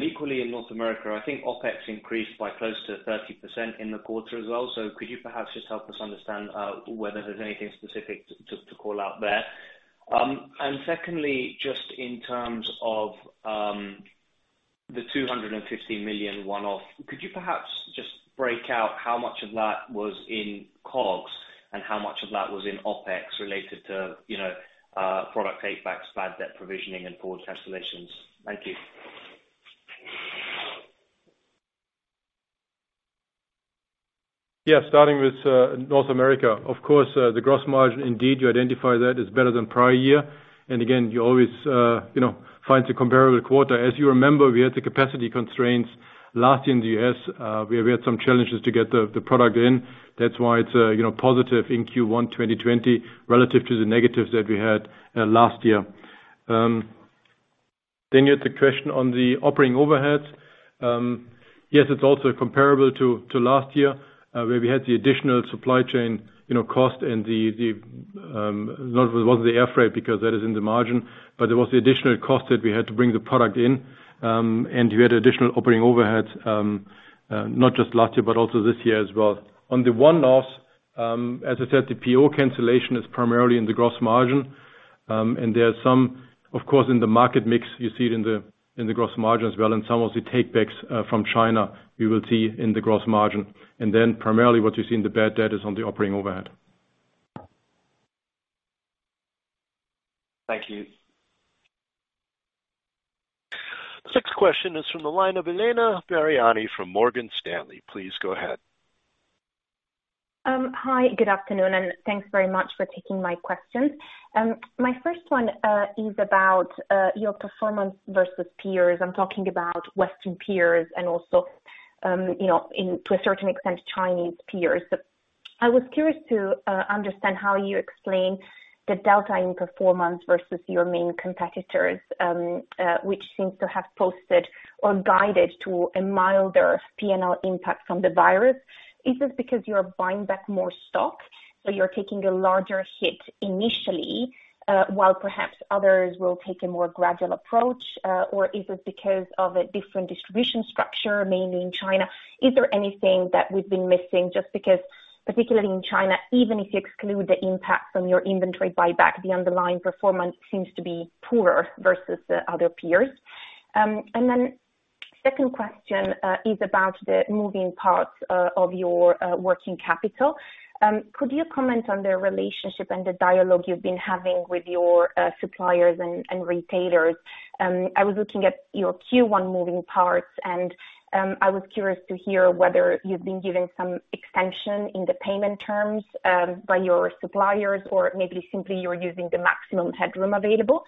Equally in North America, I think OpEx increased by close to 30% in the quarter as well. Could you perhaps just help us understand whether there's anything specific to call out there? Secondly, just in terms of the 250 million one-off, could you perhaps just break out how much of that was in COGS and how much of that was in OpEx related to product take backs, bad debt provisioning and forward cancellations? Thank you. Yeah. Starting with North America. Of course, the gross margin indeed, you identify that is better than prior year. Again, you always find the comparable quarter. As you remember, we had the capacity constraints last in the U.S., where we had some challenges to get the product in. That's why it's positive in Q1 2020 relative to the negatives that we had last year. You had the question on the operating overheads. Yes, it's also comparable to last year, where we had the additional supply chain cost and not the air freight, because that is in the margin, but there was the additional cost that we had to bring the product in. We had additional operating overheads, not just last year, but also this year as well. On the one-offs, as I said, the PO cancellation is primarily in the gross margin. There are some, of course, in the market mix, you see it in the gross margin as well, and some of the take backs from China you will see in the gross margin. Primarily what you see in the bad debt is on the operating overhead. Thank you. The sixth question is from the line of Elena Buriani from Morgan Stanley. Please go ahead. Hi, good afternoon and thanks very much for taking my questions. My first one is about your performance versus peers. I'm talking about Western peers and also to a certain extent, Chinese peers. I was curious to understand how you explain the delta in performance versus your main competitors, which seems to have posted or guided to a milder P&L impact from the virus. Is this because you're buying back more stock, so you're taking a larger hit initially, while perhaps others will take a more gradual approach? Or is it because of a different distribution structure, mainly in China? Is there anything that we've been missing just because, particularly in China, even if you exclude the impact from your inventory buyback, the underlying performance seems to be poorer versus the other peers? Second question is about the moving parts of your working capital. Could you comment on the relationship and the dialogue you've been having with your suppliers and retailers? I was looking at your Q1 moving parts and I was curious to hear whether you've been given some extension in the payment terms by your suppliers or maybe simply you're using the maximum headroom available.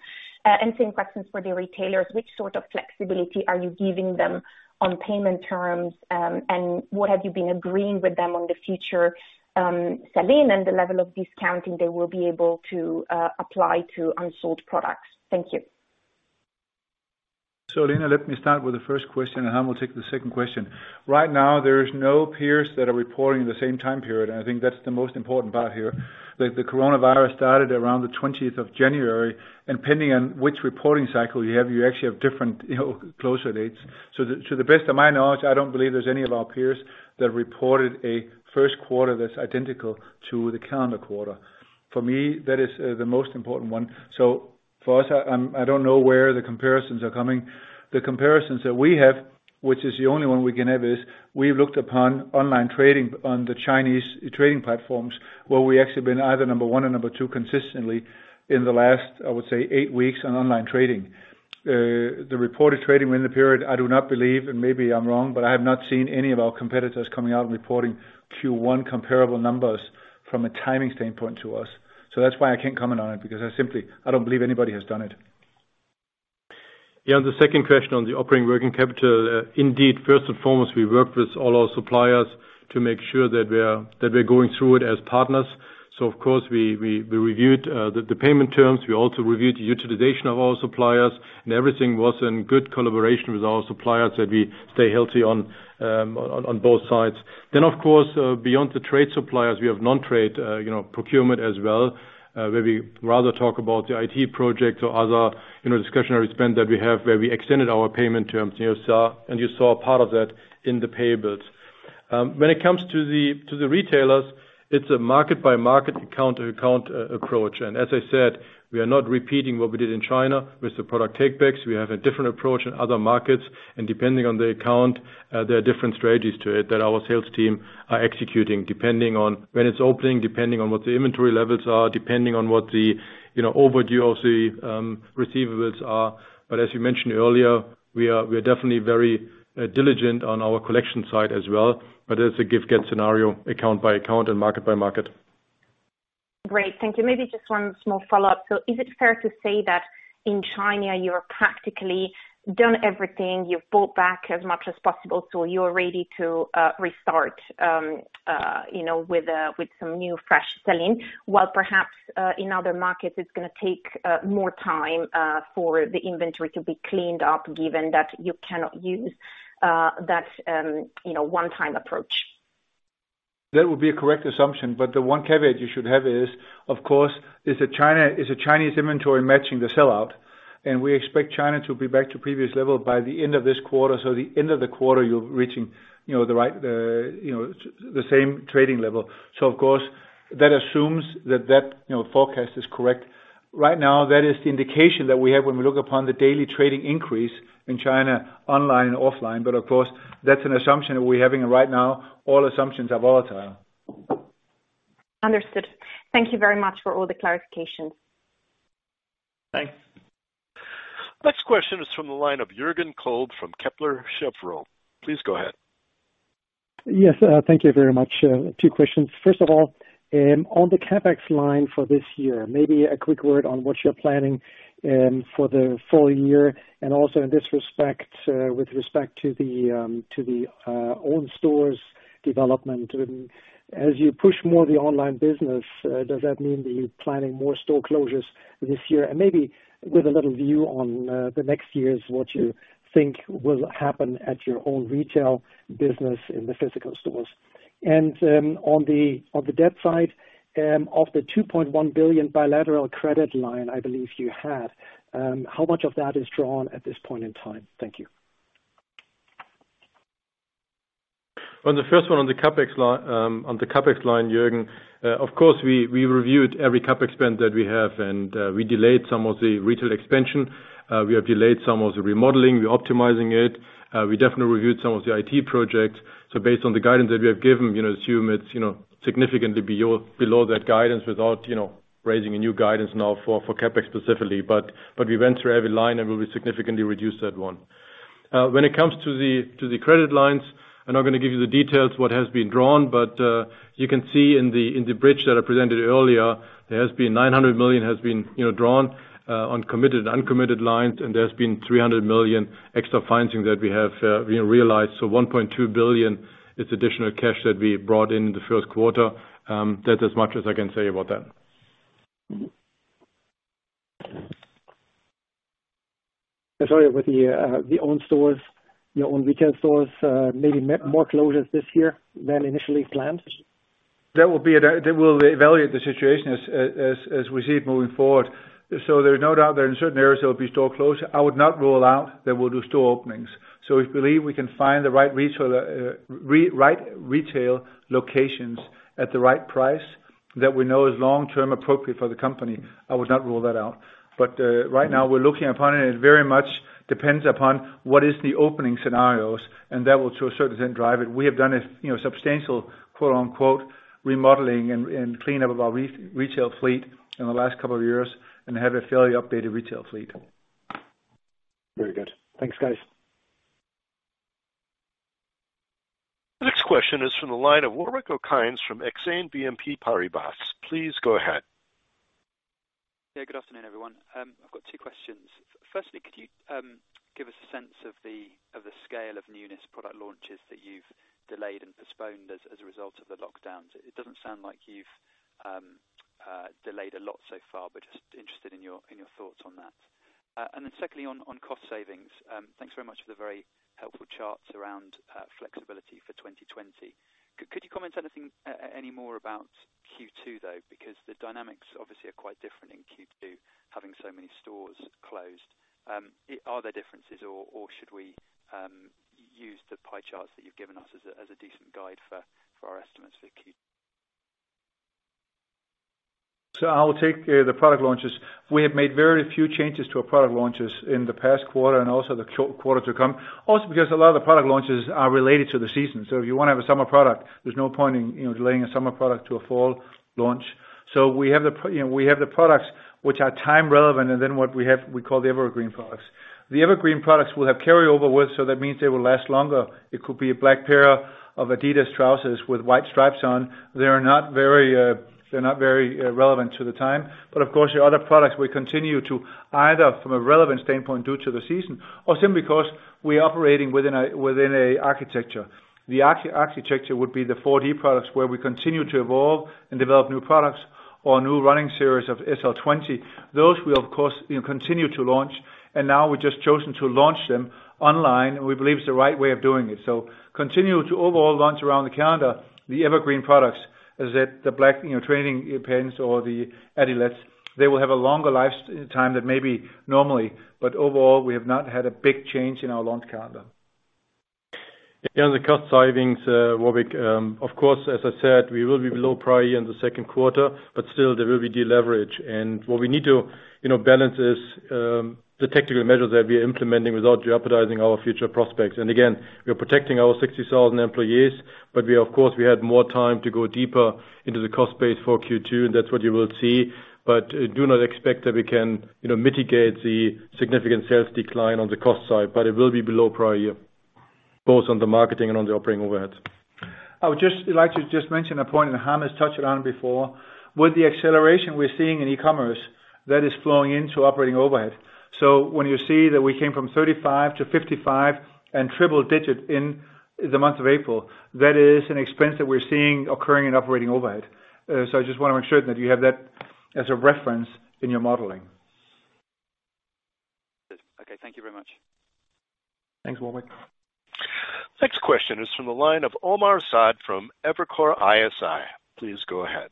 Same questions for the retailers. Which sort of flexibility are you giving them on payment terms? What have you been agreeing with them on the future selling and the level of discounting they will be able to apply to unsold products? Thank you. Elena, let me start with the first question, and Harm will take the second question. Right now, there is no peers that are reporting the same time period, and I think that's the most important part here. The coronavirus started around the 20th of January, and depending on which reporting cycle you have, you actually have different closure dates. To the best of my knowledge, I don't believe there's any of our peers that reported a first quarter that's identical to the calendar quarter. For me, that is the most important one. For us, I don't know where the comparisons are coming. The comparisons that we have, which is the only one we can have, is we've looked upon online trading on the Chinese trading platforms, where we actually been either number 1 or number 2 consistently in the last, I would say, eight weeks on online trading. The reported trading within the period, I do not believe, and maybe I'm wrong, but I have not seen any of our competitors coming out and reporting Q1 comparable numbers from a timing standpoint to us. That's why I can't comment on it, because I simply don't believe anybody has done it. The second question on the operating working capital. First and foremost, we worked with all our suppliers to make sure that we're going through it as partners. Of course, we reviewed the payment terms. We also reviewed the utilization of our suppliers, and everything was in good collaboration with our suppliers, that we stay healthy on both sides. Of course, beyond the trade suppliers, we have non-trade procurement as well, where we rather talk about the IT projects or other discretionary spend that we have, where we extended our payment terms, and you saw a part of that in the pay bills. When it comes to the retailers, it's a market-by-market account approach. As I said, we are not repeating what we did in China with the product take-backs. We have a different approach in other markets, and depending on the account, there are different strategies to it that our sales team are executing, depending on when it's opening, depending on what the inventory levels are, depending on what the overdue of the receivables are. As you mentioned earlier, we are definitely very diligent on our collection side as well, but it's a give-get scenario, account by account and market by market. Great. Thank you. Maybe just one small follow-up. Is it fair to say that in China, you're practically done everything, you've bought back as much as possible, so you're ready to restart with some new fresh selling, while perhaps in other markets, it's going to take more time for the inventory to be cleaned up, given that you cannot use that one-time approach? That would be a correct assumption. The one caveat you should have is, of course, is the Chinese inventory matching the sell-out. We expect China to be back to previous level by the end of this quarter. The end of the quarter, you're reaching the same trading level. Of course, that assumes that forecast is correct. Right now, that is the indication that we have when we look upon the daily trading increase in China, online and offline. Of course, that's an assumption that we're having right now. All assumptions are volatile. Understood. Thank you very much for all the clarifications. Thanks. Next question is from the line of Jürgen Kolb from Kepler Cheuvreux. Please go ahead. Yes. Thank you very much. Two questions. First of all, on the CapEx line for this year, maybe a quick word on what you're planning for the full year, and also in this respect, with respect to the own stores development. As you push more the online business, does that mean that you're planning more store closures this year? Maybe with a little view on the next years, what you think will happen at your own retail business in the physical stores. On the debt side, of the 2.1 billion bilateral credit line I believe you have, how much of that is drawn at this point in time? Thank you. On the first one, on the CapEx line, Jürgen, of course, we reviewed every CapEx spend that we have, and we delayed some of the retail expansion. We have delayed some of the remodeling. We're optimizing it. We definitely reviewed some of the IT projects. Based on the guidance that we have given, assume it's significantly below that guidance without raising a new guidance now for CapEx specifically. We went through every line and we significantly reduced that one. When it comes to the credit lines, I'm not going to give you the details what has been drawn, but you can see in the bridge that I presented earlier, there has been 900 million has been drawn on committed and uncommitted lines, and there's been 300 million extra financing that we have realized. 1.2 billion is additional cash that we brought in the first quarter. That's as much as I can say about that. Sorry, with the own stores, your own retail stores, maybe more closures this year than initially planned? They will evaluate the situation as we see it moving forward. There's no doubt that in certain areas, there will be store closures. I would not rule out that we'll do store openings. If we believe we can find the right retail locations at the right price that we know is long-term appropriate for the company, I would not rule that out. Right now we're looking upon it, and it very much depends upon what is the opening scenarios, and that will to a certain extent drive it. We have done a substantial quote, unquote, "remodeling and cleanup of our retail fleet in the last couple of years and have a fairly updated retail fleet. Very good. Thanks, guys. The next question is from the line of Warwick Okines from Exane BNP Paribas. Please go ahead. Yeah. Good afternoon, everyone. I've got two questions. Firstly, could you give us a sense of the scale of newness product launches that you've delayed and postponed as a result of the lockdowns? It doesn't sound like you've delayed a lot so far, but just interested in your thoughts on that. Secondly, on cost savings, thanks very much for the very helpful charts around flexibility for 2020. Could you comment any more about Q2, though? Because the dynamics obviously are quite different in Q2, having so many stores closed. Are there differences or should we use the pie charts that you've given us as a decent guide for our estimates for Q- I'll take the product launches. We have made very few changes to our product launches in the past quarter, and also the quarter to come. Because a lot of the product launches are related to the season. If you want to have a summer product, there's no point in delaying a summer product to a fall launch. We have the products which are time relevant, and then what we have, we call the evergreen products. The evergreen products will have carryover with, so that means they will last longer. It could be a black pair of adidas trousers with white stripes on. They're not very relevant to the time. Of course, your other products will continue to either from a relevant standpoint due to the season or simply because we're operating within a architecture. The architecture would be the 4D products where we continue to evolve and develop new products or new running series of SL20. Those we of course continue to launch, and now we've just chosen to launch them online, and we believe it's the right way of doing it. Continue to overall launch around the calendar. The evergreen products is that the black training pants or the Adilette, they will have a longer lifetime than maybe normally. Overall, we have not had a big change in our launch calendar. On the cost savings, Warwick, of course, as I said, we will be below prior year in the second quarter. Still there will be deleverage. What we need to balance is the technical measures that we are implementing without jeopardizing our future prospects. Again, we are protecting our 60,000 employees. We of course, we had more time to go deeper into the cost base for Q2, and that's what you will see. Do not expect that we can mitigate the significant sales decline on the cost side. It will be below prior year, both on the marketing and on the operating overhead. I would like to just mention a point that Harm touched on before. With the acceleration we're seeing in e-commerce, that is flowing into operating overhead. When you see that we came from 35 to 55 and triple digit in the month of April, that is an expense that we're seeing occurring in operating overhead. I just want to make sure that you have that as a reference in your modeling. Okay. Thank you very much. Thanks, Warwick. Next question is from the line of Omar Saad from Evercore ISI. Please go ahead.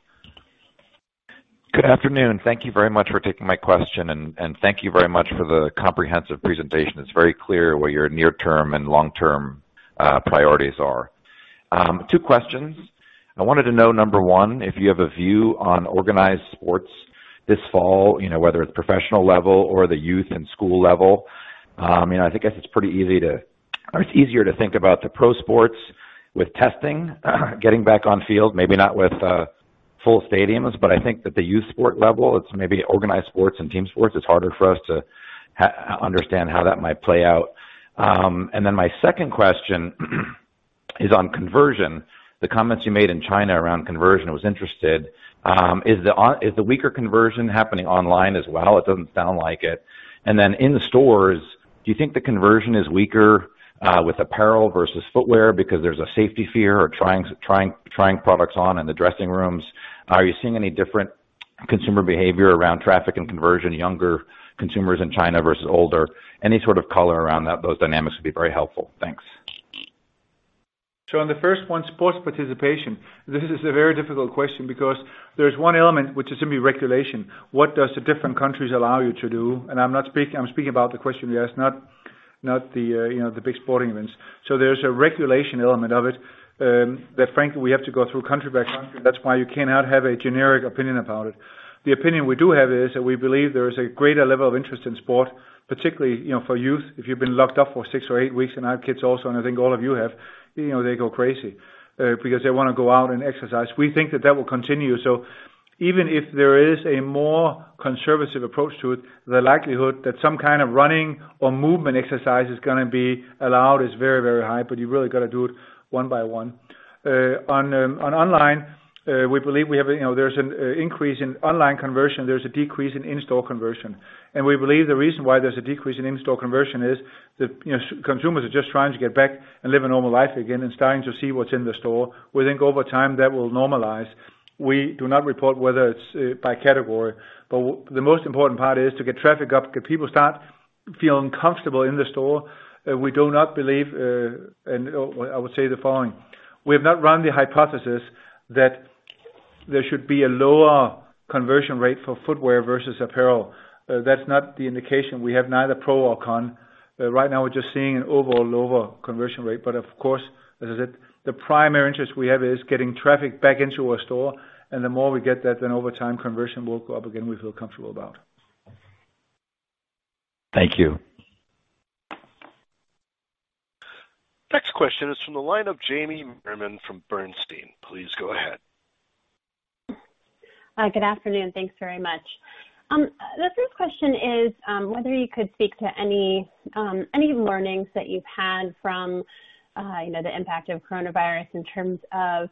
Good afternoon. Thank you very much for taking my question, and thank you very much for the comprehensive presentation. It's very clear what your near-term and long-term priorities are. Two questions. I wanted to know, number 1, if you have a view on organized sports this fall, whether it's professional level or the youth and school level. I guess it's easier to think about the pro sports with testing, getting back on field, maybe not with full stadiums, but I think that the youth sport level, it's maybe organized sports and team sports, it's harder for us to understand how that might play out. My second question is on conversion. The comments you made in China around conversion, I was interested. Is the weaker conversion happening online as well? It doesn't sound like it. Then in the stores, do you think the conversion is weaker with apparel versus footwear because there's a safety fear or trying products on in the dressing rooms? Are you seeing any different consumer behavior around traffic and conversion, younger consumers in China versus older? Any sort of color around those dynamics would be very helpful. Thanks. On the first one, sports participation, this is a very difficult question because there's one element which is simply regulation. What does the different countries allow you to do? I'm speaking about the question you asked, not the big sporting events. There's a regulation element of it, that frankly, we have to go through country by country. That's why you cannot have a generic opinion about it. The opinion we do have is that we believe there is a greater level of interest in sport, particularly for youth. If you've been locked up for six or eight weeks, and I have kids also, and I think all of you have, they go crazy, because they want to go out and exercise. We think that that will continue. Even if there is a more conservative approach to it, the likelihood that some kind of running or movement exercise is going to be allowed is very, very high, but you've really got to do it one by one. On online, we believe there's an increase in online conversion, there's a decrease in in-store conversion. We believe the reason why there's a decrease in in-store conversion is that consumers are just trying to get back and live a normal life again and starting to see what's in the store. We think over time, that will normalize. We do not report whether it's by category, but the most important part is to get traffic up, get people start feeling comfortable in the store. We do not believe. I would say the following. We have not run the hypothesis that there should be a lower conversion rate for footwear versus apparel. That's not the indication. We have neither pro or con. Right now, we're just seeing an overall lower conversion rate. Of course, as I said, the primary interest we have is getting traffic back into our store, and the more we get that, then over time, conversion will go up again, we feel comfortable about. Thank you. Next question is from the line of Jamie Merriman from Bernstein. Please go ahead. Good afternoon. Thanks very much. The first question is whether you could speak to any learnings that you've had from the impact of coronavirus in terms of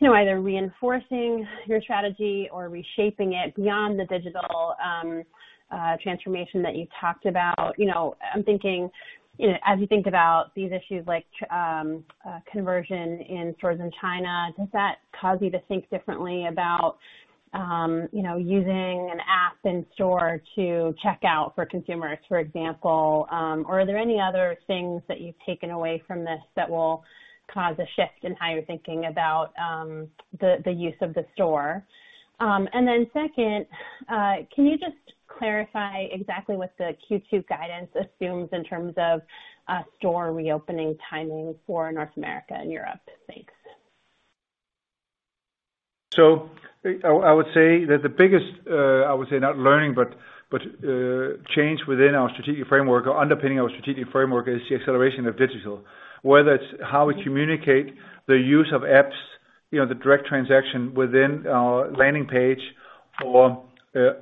either reinforcing your strategy or reshaping it beyond the digital transformation that you talked about. I'm thinking, as you think about these issues like conversion in stores in China, does that cause you to think differently about using an app in-store to check out for consumers, for example? Are there any other things that you've taken away from this that will cause a shift in how you're thinking about the use of the store? Second, can you just clarify exactly what the Q2 guidance assumes in terms of store reopening timing for North America and Europe? Thanks. I would say that the biggest, I would say, not learning, but change within our strategic framework or underpinning our strategic framework is the acceleration of digital, whether it's how we communicate the use of apps, the direct transaction within our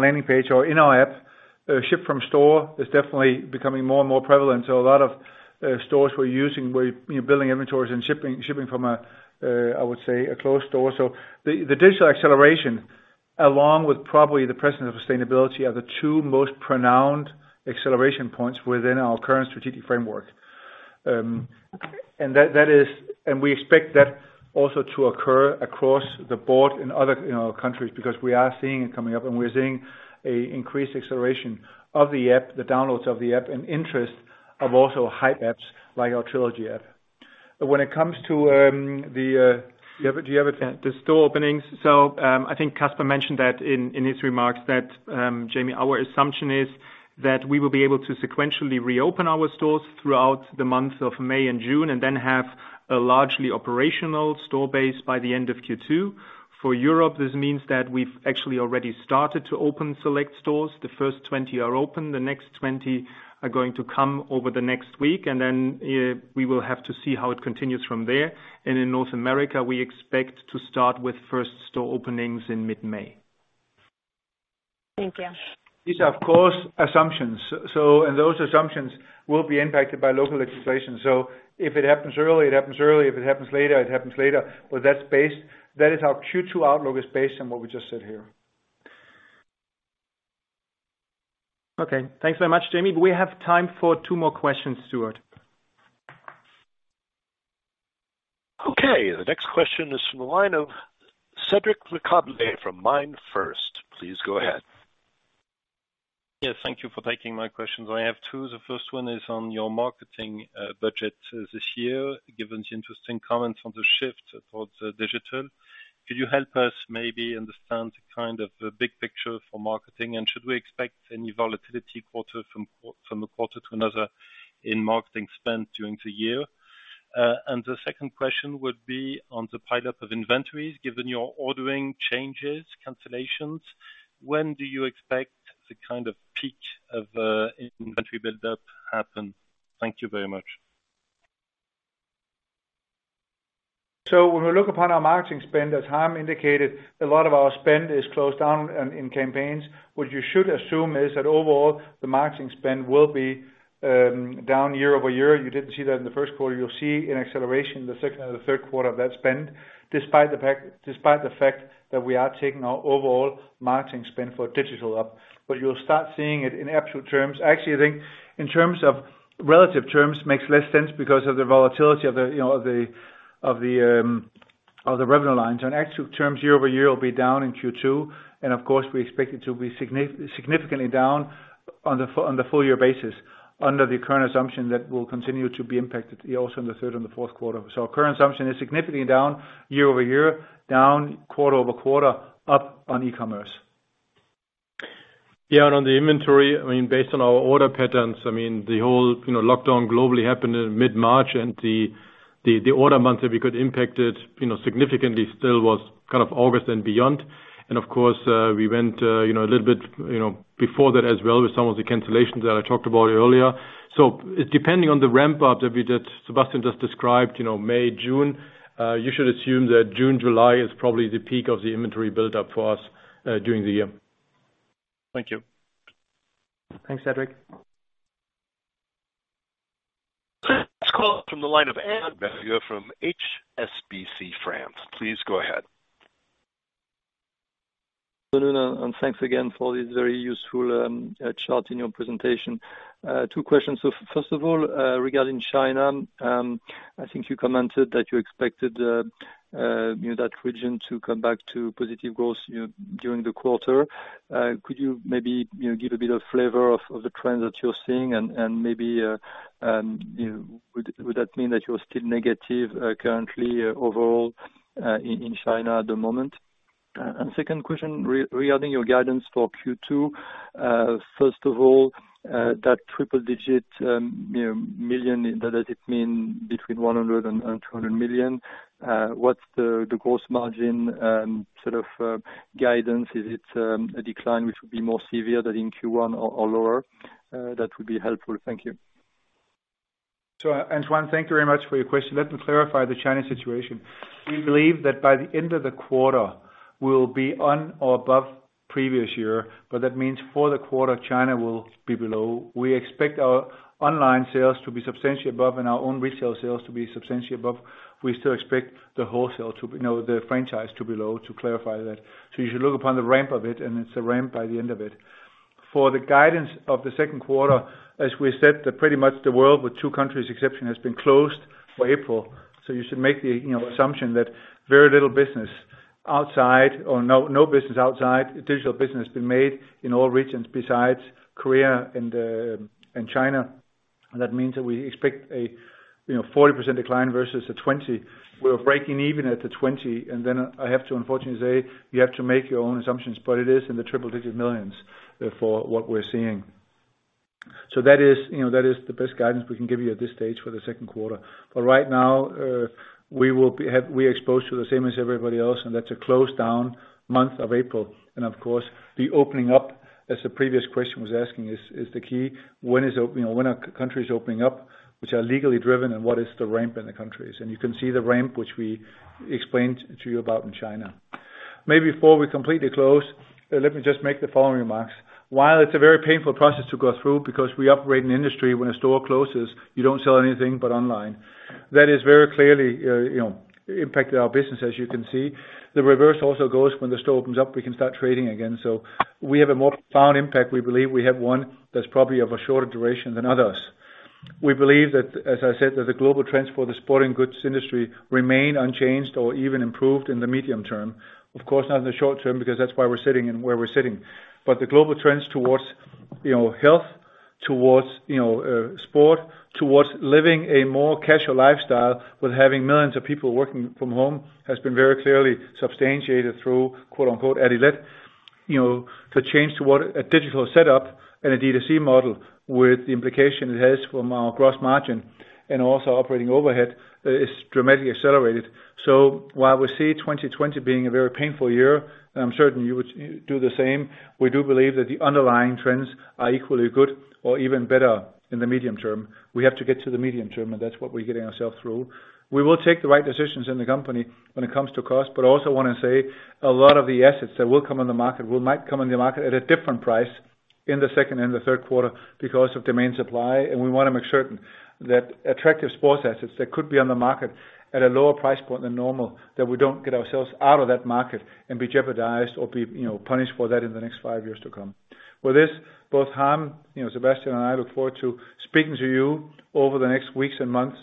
landing page or in our app, ship from store is definitely becoming more and more prevalent. A lot of stores were using, building inventories and shipping from a, I would say, a closed store. The digital acceleration, along with probably the presence of sustainability, are the two most pronounced acceleration points within our current strategic framework. We expect that also to occur across the board in other countries, because we are seeing it coming up and we're seeing increased acceleration of the app, the downloads of the app, and interest of also high apps like our Trilogy app. Do you have it? The store openings. I think Kasper mentioned that in his remarks that, Jamie, our assumption is that we will be able to sequentially reopen our stores throughout the month of May and June, and then have a largely operational store base by the end of Q2. For Europe, this means that we've actually already started to open select stores. The first 20 are open. The next 20 are going to come over the next week, and then we will have to see how it continues from there. In North America, we expect to start with first store openings in mid-May. Thank you. These are, of course, assumptions. Those assumptions will be impacted by local legislation. If it happens early, it happens early. If it happens later, it happens later. That is our Q2 outlook is based on what we just said here. Okay. Thanks very much, Jamie. We have time for two more questions, Stuart. Okay. The next question is from the line of Cédric Lecasble from MainFirst. Please go ahead. Yes, thank you for taking my questions. I have two. The first one is on your marketing budget this year. Given the interesting comments on the shift towards digital, could you help us maybe understand kind of the big picture for marketing, and should we expect any volatility from a quarter to another in marketing spend during the year? The second question would be on the pile-up of inventories, given your ordering changes, cancellations, when do you expect the kind of peak of inventory buildup happen? Thank you very much. When we look upon our marketing spend, as Harm indicated, a lot of our spend is closed down in campaigns. What you should assume is that overall, the marketing spend will be down year-over-year. You didn't see that in the first quarter. You'll see an acceleration in the second and the third quarter of that spend, despite the fact that we are taking our overall marketing spend for digital up. You'll start seeing it in actual terms. Actually, I think in terms of relative terms, makes less sense because of the volatility of the revenue lines. On actual terms, year-over-year, it'll be down in Q2, and of course, we expect it to be significantly down on the full year basis under the current assumption that will continue to be impacted also in the third and the fourth quarter. Our current assumption is significantly down year-over-year, down quarter-over-quarter, up on e-commerce. Yeah. On the inventory, based on our order patterns, the whole lockdown globally happened in mid-March, and the order month that we got impacted significantly still was kind of August and beyond. Of course, we went a little bit before that as well with some of the cancellations that I talked about earlier. Depending on the ramp-up that Sebastian just described, May, June, you should assume that June, July is probably the peak of the inventory buildup for us during the year. Thank you. Thanks, Cédric. Next call from the line of Antoine Berthe from HSBC France. Please go ahead. Good afternoon, and thanks again for this very useful chart in your presentation. Two questions. First of all, regarding China, I think you commented that you expected that region to come back to positive growth during the quarter. Could you maybe give a bit of flavor of the trends that you're seeing, and maybe, would that mean that you're still negative currently overall in China at the moment? Second question regarding your guidance for Q2. First of all, that triple-digit million, does it mean between 100 million and 200 million? What's the gross margin sort of guidance? Is it a decline which would be more severe than in Q1 or lower? That would be helpful. Thank you. Antoine, thank you very much for your question. Let me clarify the China situation. We believe that by the end of the quarter, will be on or above previous year, but that means for the quarter, China will be below. We expect our online sales to be substantially above and our own retail sales to be substantially above. We still expect the franchise to be low, to clarify that. You should look upon the ramp of it, and it's a ramp by the end of it. For the guidance of the second quarter, as we said, pretty much the world, with two countries exception, has been closed for April. You should make the assumption that very little business outside, or no business outside, digital business being made in all regions besides Korea and China. That means that we expect a 40% decline versus a 20. We're breaking even at the 20. I have to unfortunately say, you have to make your own assumptions, it is in the triple digit millions for what we're seeing. That is the best guidance we can give you at this stage for the second quarter. Right now, we're exposed to the same as everybody else, that's a closed down month of April. Of course, the opening up, as the previous question was asking, is the key. When are countries opening up, which are legally driven, what is the ramp in the countries? You can see the ramp, which we explained to you about in China. Maybe before we completely close, let me just make the following remarks. While it's a very painful process to go through because we operate in an industry when a store closes, you don't sell anything but online. That has very clearly impacted our business, as you can see. The reverse also goes when the store opens up, we can start trading again. We have a more profound impact, we believe we have one that's probably of a shorter duration than others. We believe that, as I said, that the global trends for the sporting goods industry remain unchanged or even improved in the medium term. Of course, not in the short term, because that's why we're sitting where we're sitting. The global trends towards health, towards sport, towards living a more casual lifestyle with having millions of people working from home has been very clearly substantiated through, quote-unquote, "athleisure." To change toward a digital setup and a D2C model with the implication it has from our gross margin and also operating overhead is dramatically accelerated. While we see 2020 being a very painful year, and I'm certain you would do the same, we do believe that the underlying trends are equally good or even better in the medium term. We have to get to the medium term, and that's what we're getting ourselves through. We will take the right decisions in the company when it comes to cost, also want to say a lot of the assets that will come on the market might come on the market at a different price in the second and the third quarter because of demand supply. We want to make certain that attractive sports assets that could be on the market at a lower price point than normal, that we don't get ourselves out of that market and be jeopardized or be punished for that in the next five years to come. With this, both Harm, Sebastian, and I look forward to speaking to you over the next weeks and months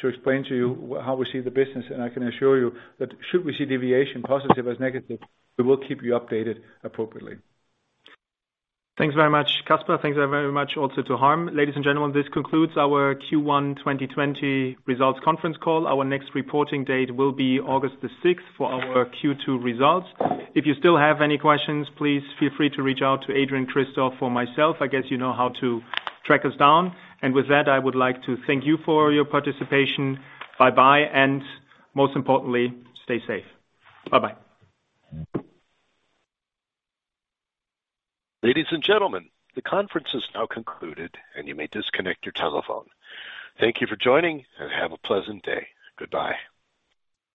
to explain to you how we see the business. I can assure you that should we see deviation, positive as negative, we will keep you updated appropriately. Thanks very much, Kasper. Thanks very much also to Harm. Ladies and gentlemen, this concludes our Q1 2020 results conference call. Our next reporting date will be August the 6th for our Q2 results. If you still have any questions, please feel free to reach out to Adrian, Christophe, or myself. I guess you know how to track us down. With that, I would like to thank you for your participation. Bye bye, and most importantly, stay safe. Bye bye. Ladies and gentlemen, the conference is now concluded and you may disconnect your telephone. Thank you for joining and have a pleasant day. Goodbye.